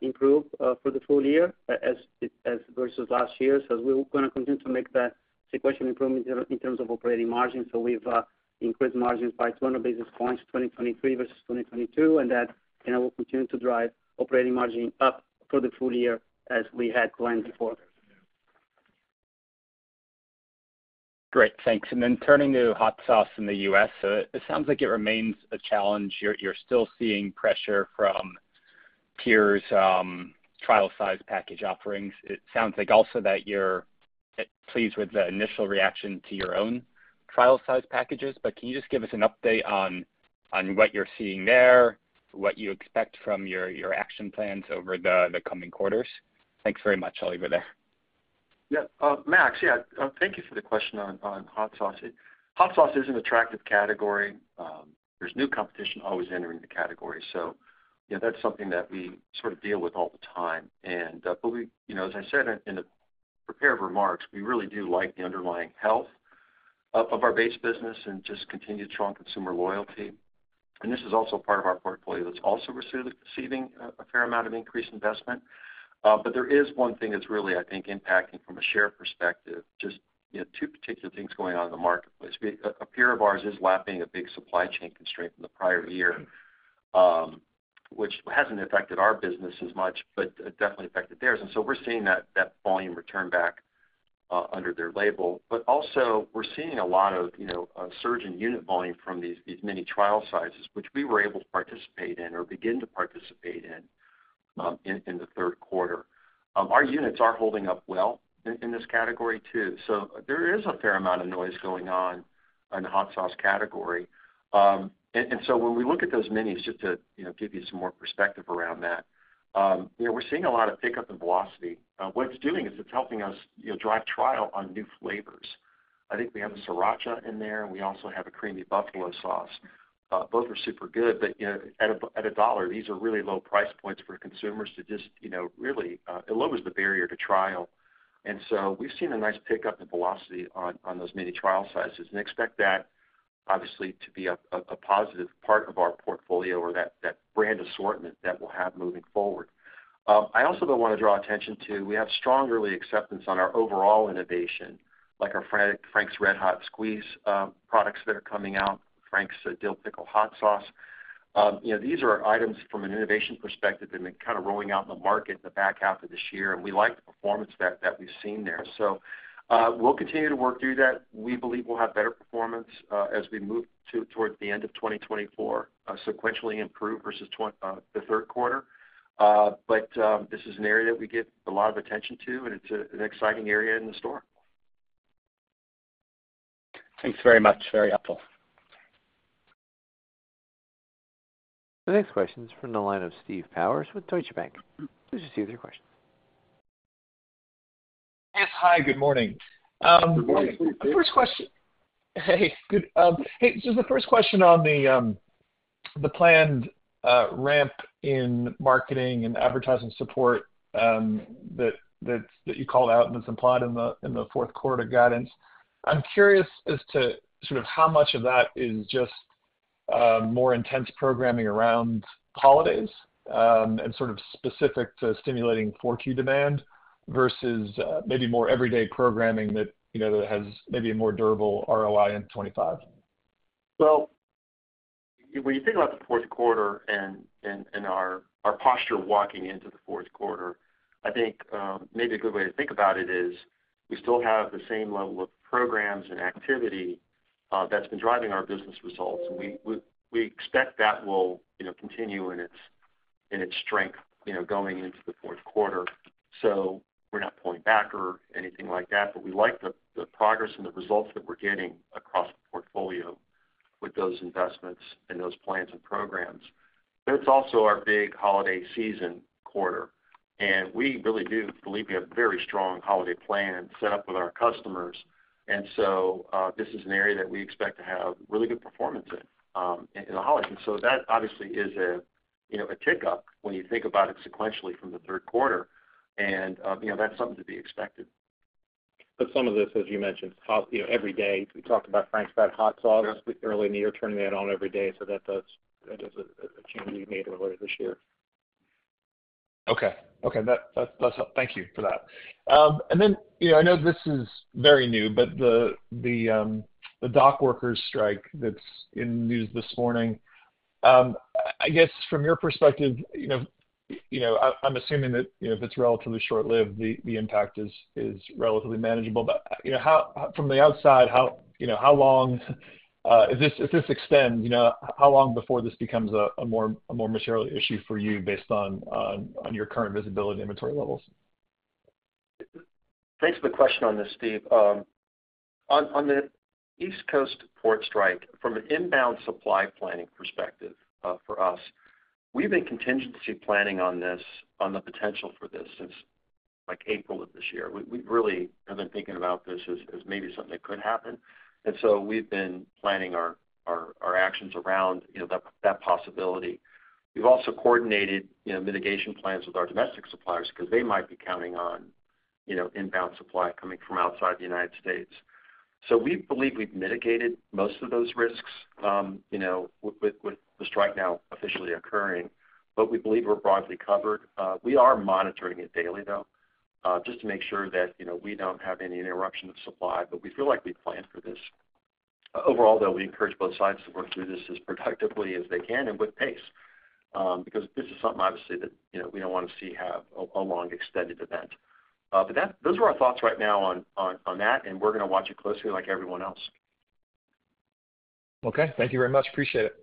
improve for the full year as versus last year. So we're gonna continue to make that sequential improvement in terms of operating margin. So we've increased margins by 200 basis points, 2023 versus 2022, and that, you know, will continue to drive operating margin up for the full year as we had planned before. Great, thanks. And then turning to hot sauce in the U.S., so it sounds like it remains a challenge. You're still seeing pressure from peers, trial size package offerings. It sounds like also that you're pleased with the initial reaction to your own trial size packages, but can you just give us an update on what you're seeing there, what you expect from your action plans over the coming quarters? Thanks very much. I'll leave it there. Yeah. Max, yeah, thank you for the question on hot sauce. Hot sauce is an attractive category. There's new competition always entering the category. So, you know, that's something that we sort of deal with all the time. And, but we you know, as I said in the prepared remarks, we really do like the underlying health of our base business and just continued strong consumer loyalty. And this is also part of our portfolio that's also receiving a fair amount of increased investment. But there is one thing that's really, I think, impacting from a share perspective, just, you know, two particular things going on in the marketplace. A peer of ours is lapping a big supply chain constraint from the prior year, which hasn't affected our business as much, but it definitely affected theirs. And so we're seeing that volume return back under their label. But also, we're seeing a lot of, you know, a surge in unit volume from these mini trial sizes, which we were able to participate in or begin to participate in in the third quarter. Our units are holding up well in this category, too. So there is a fair amount of noise going on in the hot sauce category. And so when we look at those minis, just to, you know, give you some more perspective around that, you know, we're seeing a lot of pickup in velocity. What it's doing is it's helping us, you know, drive trial on new flavors. I think we have a Sriracha in there, and we also have a Creamy Buffalo Sauce. Both are super good, but, you know, at a dollar, these are really low price points for consumers to just, you know, really, it lowers the barrier to trial. And so we've seen a nice pickup in velocity on those mini trial sizes and expect that, obviously, to be a positive part of our portfolio or that brand assortment that we'll have moving forward. I also do wanna draw attention to, we have strong early acceptance on our overall innovation, like our Frank's RedHot Squeeze products that are coming out, Frank's RedHot Dill Pickle Hot Sauce. You know, these are items from an innovation perspective, and they're kind of rolling out in the market in the back half of this year, and we like the performance that we've seen there. So, we'll continue to work through that. We believe we'll have better performance, as we move towards the end of 2024, sequentially improve versus the third quarter. But, this is an area that we give a lot of attention to, and it's an exciting area in the store. Thanks very much. Very helpful. The next question is from the line of Steve Powers with Deutsche Bank. Please proceed with your question. Yes. Hi, good morning. Good morning, Steve. The first question. Hey, good. Hey, just the first question on the planned ramp in marketing and advertising support, that, that, that you called out and that's implied in the fourth quarter guidance. I'm curious as to sort of how much of that is just more intense programming around holidays and sort of specific to stimulating 4Q demand versus maybe more everyday programming that, you know, that has maybe a more durable ROI in 2025? When you think about the fourth quarter and our posture walking into the fourth quarter, I think maybe a good way to think about it is, we still have the same level of programs and activity that's been driving our business results. We expect that will, you know, continue in its strength, you know, going into the fourth quarter. So we're not pulling back or anything like that, but we like the progress and the results that we're getting across the portfolio with those investments and those plans and programs. But it's also our big holiday season quarter, and we really do believe we have a very strong holiday plan set up with our customers. And so this is an area that we expect to have really good performance in, in the holidays. And so that obviously is, you know, a tick-up when you think about it sequentially from the third quarter. And, you know, that's something to be expected. But some of this, as you mentioned, you know, every day, we talked about Frank's RedHot sauce- Yeah... early in the year, turning that on every day. So that does, that is a change we made earlier this year. Okay. That that's helpful. Thank you for that. And then, you know, I know this is very new, but the dock workers strike that's in the news this morning. I guess from your perspective, you know, I'm assuming that, you know, if it's relatively short-lived, the impact is relatively manageable. But, you know, from the outside, how, you know, how long, if this extends, you know, how long before this becomes a more material issue for you based on your current visibility and inventory levels? Thanks for the question on this, Steve. On the East Coast port strike, from an inbound supply planning perspective, for us, we've been contingency planning on this, on the potential for this since, like, April of this year. We really have been thinking about this as maybe something that could happen, and so we've been planning our actions around, you know, that possibility. We've also coordinated, you know, mitigation plans with our domestic suppliers because they might be counting on, you know, inbound supply coming from outside the United States. So we believe we've mitigated most of those risks, you know, with the strike now officially occurring, but we believe we're broadly covered. We are monitoring it daily, though, just to make sure that, you know, we don't have any interruption of supply, but we feel like we planned for this. Overall, though, we encourage both sides to work through this as productively as they can and with pace, because this is something, obviously, that, you know, we don't want to see have a long, extended event. But those are our thoughts right now on that, and we're gonna watch it closely like everyone else. Okay. Thank you very much. Appreciate it.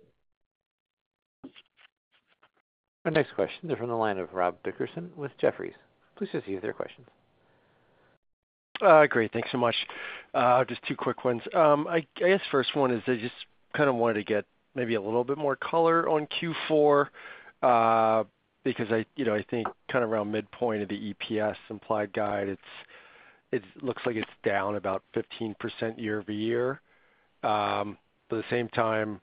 Our next question is from the line of Rob Dickerson with Jefferies. Please proceed with your question. Great. Thanks so much. Just two quick ones. I guess first one is I just kind of wanted to get maybe a little bit more color on Q4, because I, you know, I think kind of around midpoint of the EPS implied guide, it looks like it's down about 15% year-over-year. But at the same time,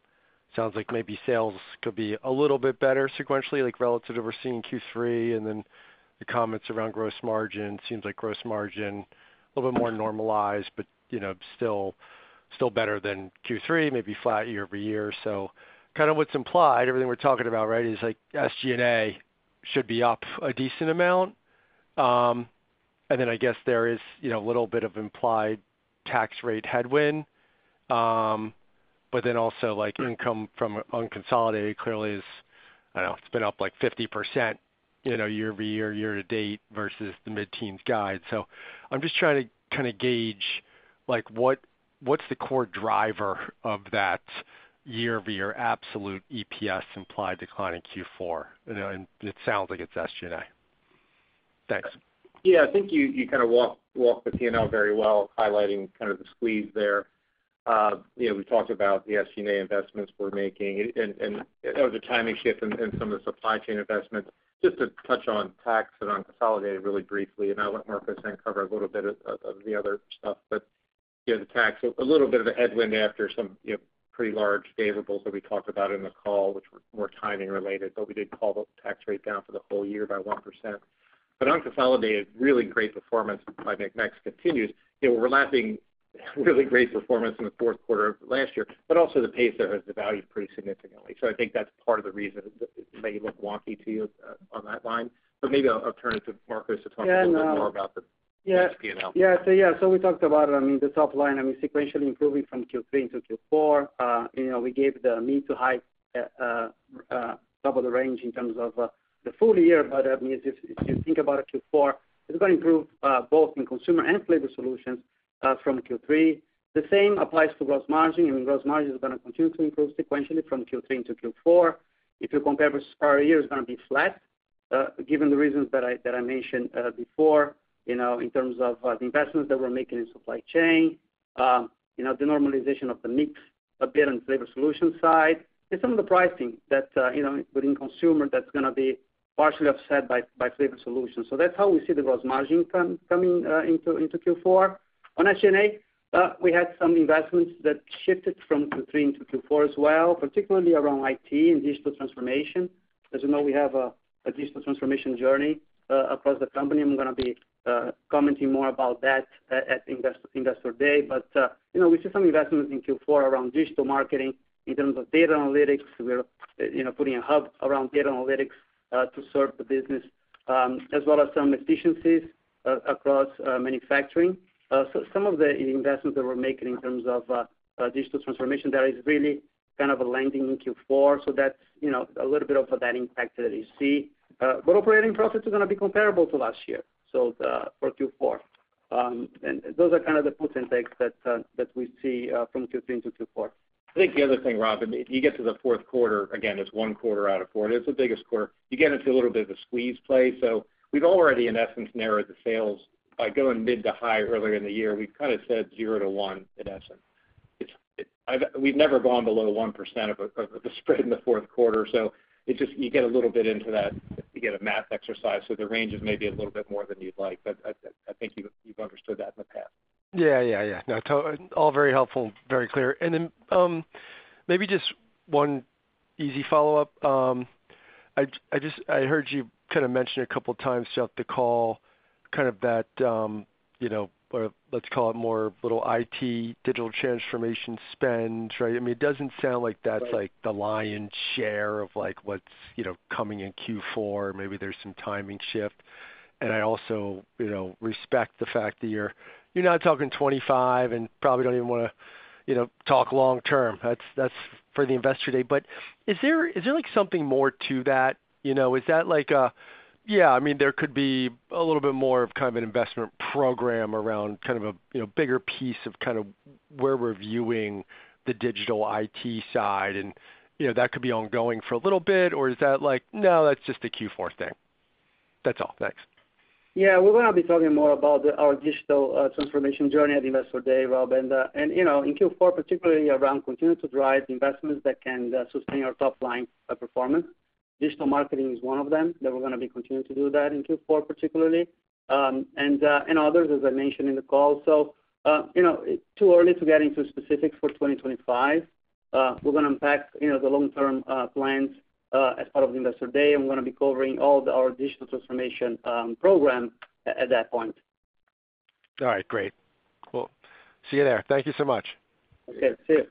sounds like maybe sales could be a little bit better sequentially, like relative to what we're seeing in Q3, and then your comments around gross margin. Seems like gross margin a little bit more normalized but, you know, still better than Q3, maybe flat year-over-year. So kind of what's implied, everything we're talking about, right, is like SG&A should be up a decent amount. And then I guess there is, you know, a little bit of implied tax rate headwind, but then also, like, income from unconsolidated clearly is. I don't know, it's been up, like, 50%, you know, year-over-year, year to date versus the mid-teens guide. So I'm just trying to kind of gauge, like, what, what's the core driver of that year-over-year absolute EPS implied decline in Q4? You know, and it sounds like it's SG&A. Thanks. Yeah, I think you kind of walked the P&L very well, highlighting kind of the squeeze there.... you know, we talked about the SG&A investments we're making, and there was a timing shift in some of the supply chain investments. Just to touch on tax and on consolidated really briefly, and I'll let Marcos then cover a little bit of the other stuff. But, you know, the tax, a little bit of a headwind after some, you know, pretty large payables that we talked about in the call, which were more timing related, but we did call the tax rate down for the whole year by 1%. But on consolidated, really great performance by Mex continues. It was overlapping really great performance in the fourth quarter of last year, but also the pace there has decelerated pretty significantly. So I think that's part of the reason that it may look wonky to you, on that line. Maybe I'll turn it to Marcos to talk- Yeah, and, A little bit more about the P&L. Yeah. So yeah, so we talked about it. I mean, the top line, I mean, sequentially improving from Q3 into Q4. You know, we gave the mid to high, top of the range in terms of the full year. But, I mean, if you think about it, Q4 is gonna improve both in consumer and flavor solutions from Q3. The same applies to gross margin. I mean, gross margin is gonna continue to improve sequentially from Q3 into Q4. If you compare with prior year, it's gonna be flat, given the reasons that I mentioned, before, you know, in terms of, the investments that we're making in supply chain, you know, the normalization of the mix, a bit on flavor solution side, and some of the pricing that, you know, within consumer, that's gonna be partially offset by flavor solutions. So that's how we see the gross margin coming into Q4. On SG&A, we had some investments that shifted from Q3 into Q4 as well, particularly around IT and digital transformation. As you know, we have a digital transformation journey across the company, I'm gonna be commenting more about that at Investor Day. But, you know, we see some investments in Q4 around digital marketing in terms of data analytics. We're, you know, putting a hub around data analytics to serve the business, as well as some efficiencies across manufacturing, so some of the investments that we're making in terms of digital transformation, that is really kind of landing in Q4, so that's, you know, a little bit of that impact that you see, but operating process is gonna be comparable to last year, so for Q4, and those are kind of the puts and takes that we see from Q3 into Q4. I think the other thing, Robin, you get to the fourth quarter, again, it's one quarter out of four, and it's the biggest quarter. You get into a little bit of a squeeze play. So we've already, in essence, narrowed the sales by going mid to high earlier in the year. We've kind of said zero to one, in essence. We've never gone below 1% of the spread in the fourth quarter, so it just you get a little bit into that. You get a math exercise, so the range is maybe a little bit more than you'd like, but I think you've understood that in the past. Yeah, yeah, yeah. No, all very helpful, very clear. And then, maybe just one easy follow-up. I just heard you kind of mention a couple of times throughout the call, kind of that, you know, or let's call it more little IT, digital transformation spend, right? I mean, it doesn't sound like that's- Right... like, the lion's share of, like, what's, you know, coming in Q4. Maybe there's some timing shift, and I also, you know, respect the fact that you're, you're not talking twenty-five and probably don't even wanna, you know, talk long term. That's, that's for the investor today, but is there, is there, like, something more to that? You know, is that like a... Yeah, I mean, there could be a little bit more of kind of an investment program around kind of a, you know, bigger piece of kind of where we're viewing the digital IT side, and, you know, that could be ongoing for a little bit. Or is that like: "No, that's just a Q4 thing"? That's all. Thanks. Yeah, we're gonna be talking more about our digital transformation journey at Investor Day, Rob, and you know, in Q4, particularly around continue to drive investments that can sustain our top line performance. Digital marketing is one of them that we're gonna be continuing to do that in Q4, particularly, and others, as I mentioned in the call, so you know, it's too early to get into specifics for 2025. We're gonna unpack you know the long-term plans as part of the Investor Day. I'm gonna be covering all our digital transformation program at that point. All right, great. Cool. See you there. Thank you so much. Okay, see you.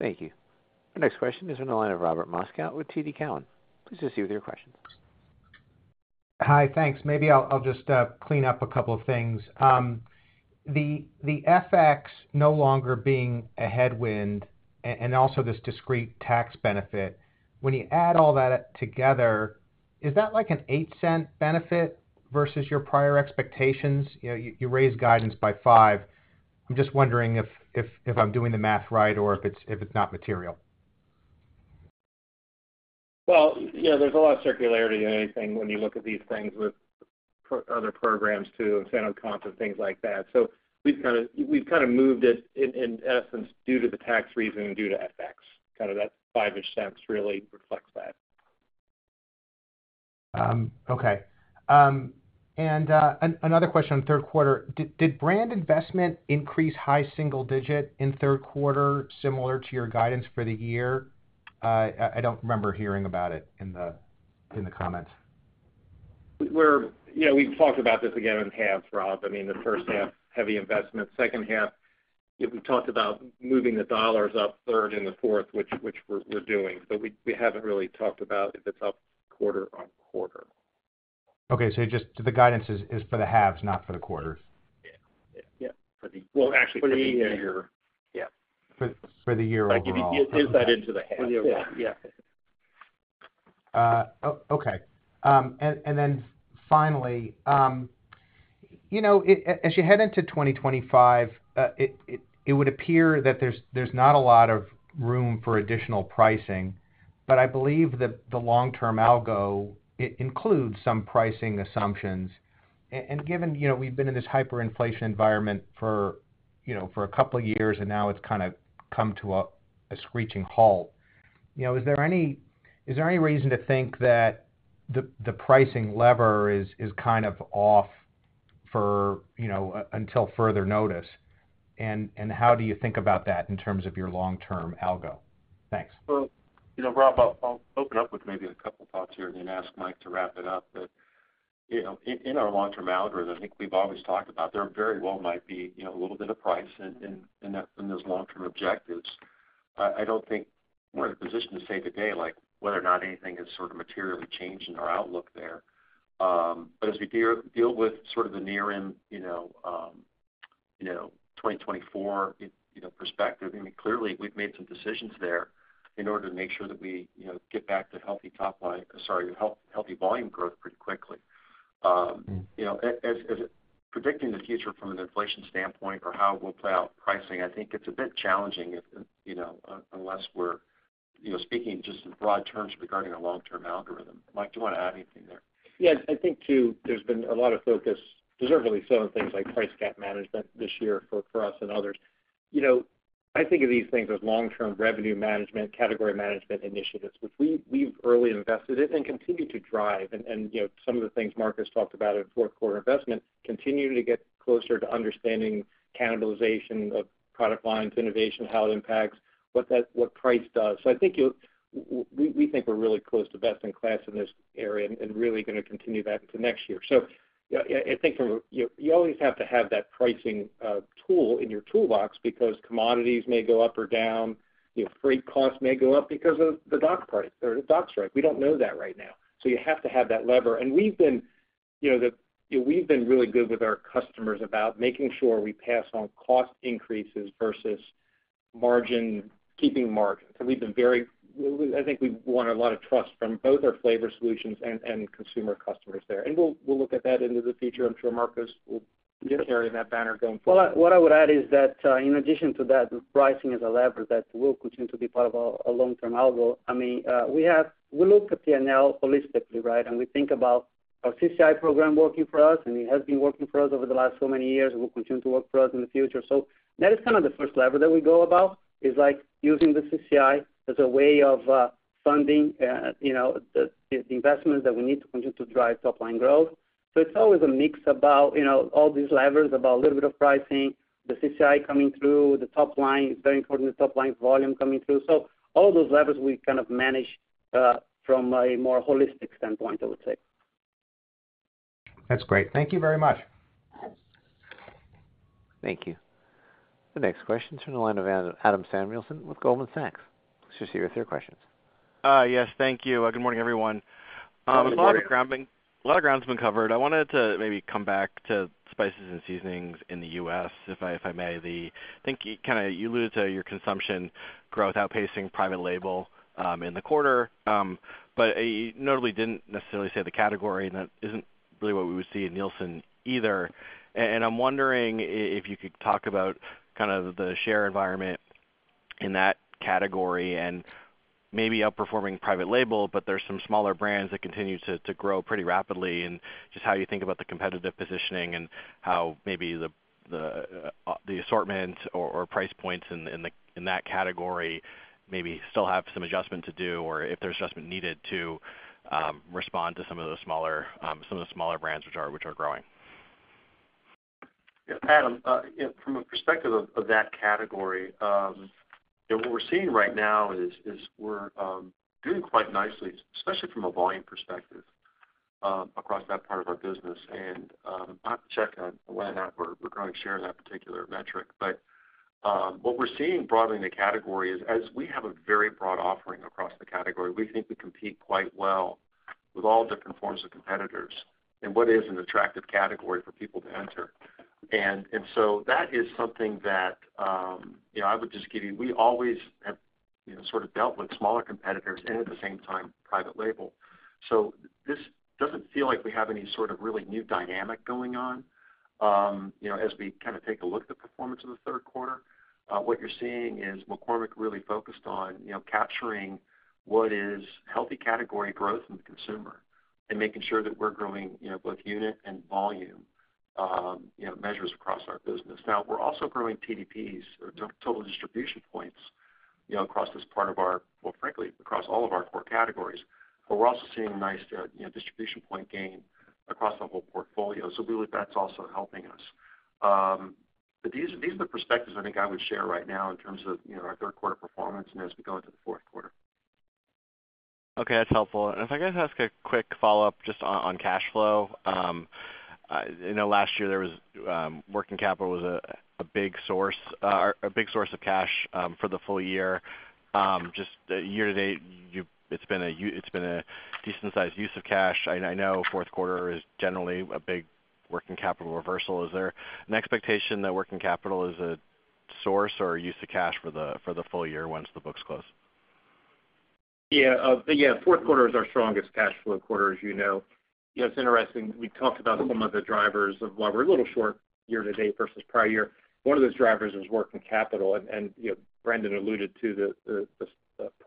Thank you. The next question is on the line of Robert Moskow with TD Cowen. Please proceed with your question. Hi, thanks. Maybe I'll just clean up a couple of things. The FX no longer being a headwind and also this discrete tax benefit, when you add all that together, is that like a $0.08 benefit versus your prior expectations? You know, you raised guidance by $0.05. I'm just wondering if I'm doing the math right or if it's not material. Yeah, there's a lot of circularity in anything when you look at these things with other programs, too, incentive comps and things like that. So we've kind of moved it, in essence, due to the tax reason and due to FX. Kind of that $0.05-ish really reflects that. Okay. And another question on third quarter: Did brand investment increase high single digit in third quarter, similar to your guidance for the year? I don't remember hearing about it in the comments. Yeah, we've talked about this again in halves, Rob. I mean, the first half, heavy investment. Second half, yeah, we talked about moving the dollars up third and the fourth, which we're doing. But we haven't really talked about if it's up quarter on quarter. Okay, so just the guidance is for the halves, not for the quarters? Yeah. Yeah. Yeah. For the... Well, actually, for the year. Yeah. For the year overall. Like, if you build that into the half. For the year, yeah. Okay. And then finally, you know, as you head into 2025, it would appear that there's not a lot of room for additional pricing, but I believe that the long-term algo includes some pricing assumptions. And given, you know, we've been in this hyperinflation environment for, you know, a couple of years, and now it's kind of come to a screeching halt. You know, is there any reason to think that the pricing lever is kind of off for, you know, until further notice? And how do you think about that in terms of your long-term algo? Thanks. Well, you know, Rob, I'll open up with maybe a couple thoughts here and then ask Mike to wrap it up. But, you know, in our long-term algorithm, I think we've always talked about there very well might be, you know, a little bit of price in that, in those long-term objectives. I don't think we're in a position to say today, like, whether or not anything has sort of materially changed in our outlook there. But as we deal with sort of the near term, you know, 2024 perspective, I mean, clearly, we've made some decisions there in order to make sure that we, you know, get back to healthy top line, sorry, healthy volume growth pretty quickly. You know, as predicting the future from an inflation standpoint or how it will play out pricing, I think it's a bit challenging if, you know, unless we're, you know, speaking just in broad terms regarding our long-term algorithm. Mike, do you want to add anything there? Yes, I think, too, there's been a lot of focus, deservedly so, on things like Price Gap Management this year for us and others. You know, I think of these things as long-term revenue management, category management initiatives, which we've early invested in and continue to drive. And, you know, some of the things Marcos talked about in fourth quarter investment continue to get closer to understanding cannibalization of product lines, innovation, how it impacts, what that, what price does. So I think we think we're really close to best in class in this area and really gonna continue that into next year. So I think from a... You always have to have that pricing tool in your toolbox because commodities may go up or down, you know, freight costs may go up because of the dock party or the dock strike. We don't know that right now. So you have to have that lever. And we've been, you know, we've been really good with our customers about making sure we pass on cost increases versus margin, keeping margin. So we've been very. I think we've won a lot of trust from both our flavor solutions and consumer customers there. And we'll look at that into the future. I'm sure Marcos will carry that banner going forward. What I would add is that, in addition to that, the pricing is a lever that will continue to be part of our long-term Algo. I mean, we look at P&L holistically, right? We think about our CCI program working for us, and it has been working for us over the last so many years, and will continue to work for us in the future. So that is kind of the first lever that we go about, is like using the CCI as a way of funding, you know, the investments that we need to continue to drive top line growth. So it's always a mix about, you know, all these levers, about a little bit of pricing, the CCI coming through, the top line, it's very important, the top line volume coming through. So all those levers we kind of manage from a more holistic standpoint, I would say. That's great. Thank you very much. Thank you. The next question is from the line of Adam Samuelson with Goldman Sachs. Please proceed with your questions. Yes, thank you. Good morning, everyone. Good morning. A lot of ground has been covered. I wanted to maybe come back to spices and seasonings in the U.S., if I may. I think you kind of alluded to your consumption growth outpacing private label in the quarter. But you notably didn't necessarily say the category, and that isn't really what we would see in Nielsen either. I'm wondering if you could talk about kind of the share environment in that category and maybe outperforming private label, but there's some smaller brands that continue to grow pretty rapidly, and just how you think about the competitive positioning and how maybe the assortment or price points in that category maybe still have some adjustment to do, or if there's adjustment needed to some of the smaller brands which are growing. Yeah, Adam, from a perspective of that category, what we're seeing right now is we're doing quite nicely, especially from a volume perspective, across that part of our business. I'll have to check on that, we're growing share in that particular metric. What we're seeing broadly in the category is, as we have a very broad offering across the category, we think we compete quite well with all different forms of competitors and what is an attractive category for people to enter. And so that is something that, you know, I would just give you. We always have, you know, sort of dealt with smaller competitors and at the same time, private label. This doesn't feel like we have any sort of really new dynamic going on. You know, as we kind of take a look at the performance of the third quarter, what you're seeing is McCormick really focused on, you know, capturing what is healthy category growth in the consumer and making sure that we're growing, you know, both unit and volume measures across our business. Now, we're also growing TDPs or total distribution points, you know, across this part of our, well, frankly, across all of our core categories. But we're also seeing a nice distribution point gain across the whole portfolio. So really, that's also helping us. But these are the perspectives I think I would share right now in terms of, you know, our third quarter performance and as we go into the fourth quarter. Okay, that's helpful. And if I could ask a quick follow-up just on cash flow. You know, last year there was working capital was a big source of cash for the full year. Just year to date, it's been a decent sized use of cash. I know fourth quarter is generally a big working capital reversal. Is there an expectation that working capital is a source or a use of cash for the full year once the books close?... Yeah, but yeah, fourth quarter is our strongest cash flow quarter, as you know. You know, it's interesting, we talked about some of the drivers of why we're a little short year-to-date versus prior year. One of those drivers was working capital, and, you know, Brendan alluded to the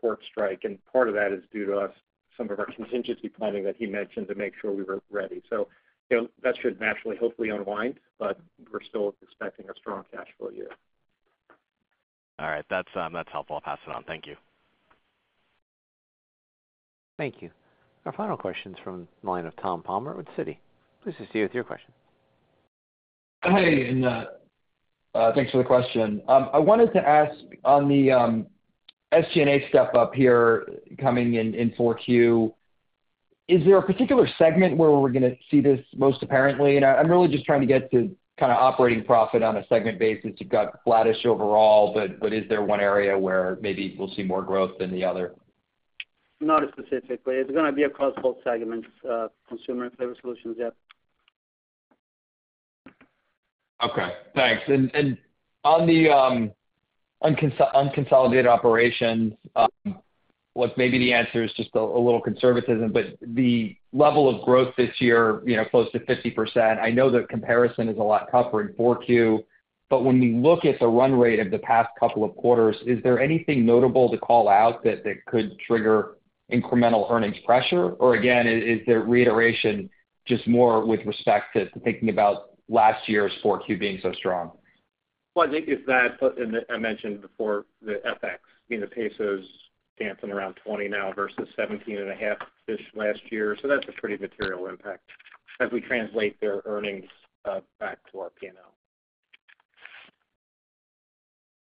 port strike, and part of that is due to us, some of our contingency planning that he mentioned to make sure we were ready. So, you know, that should naturally, hopefully unwind, but we're still expecting a strong cash flow year. All right, that's, that's helpful. I'll pass it on. Thank you. Thank you. Our final question is from the line of Tom Palmer with Citi. Please proceed with your question. Hey, and thanks for the question. I wanted to ask on the SG&A step-up here coming in in Q4, is there a particular segment where we're gonna see this most apparently? And I'm really just trying to get to kind of operating profit on a segment basis. You've got flattish overall, but is there one area where maybe we'll see more growth than the other? Not specifically. It's gonna be across both segments, consumer and flavor solutions. Okay, thanks. And on the unconsolidated operations, what maybe the answer is just a little conservatism, but the level of growth this year, you know, close to 50%, I know the comparison is a lot tougher in Q4. But when we look at the run rate of the past couple of quarters, is there anything notable to call out that could trigger incremental earnings pressure? Or again, is there reiteration just more with respect to thinking about last year's Q4 being so strong? I think it's that, and I mentioned before, the FX, you know, pesos dancing around 20 now versus 17.5 this last year. So that's a pretty material impact as we translate their earnings back to our P&L.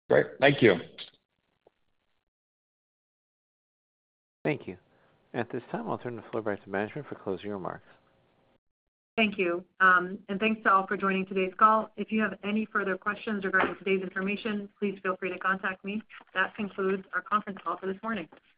Great. Thank you. Thank you. At this time, I'll turn the floor back to management for closing remarks. Thank you, and thanks to all for joining today's call. If you have any further questions regarding today's information, please feel free to contact me. That concludes our conference call for this morning.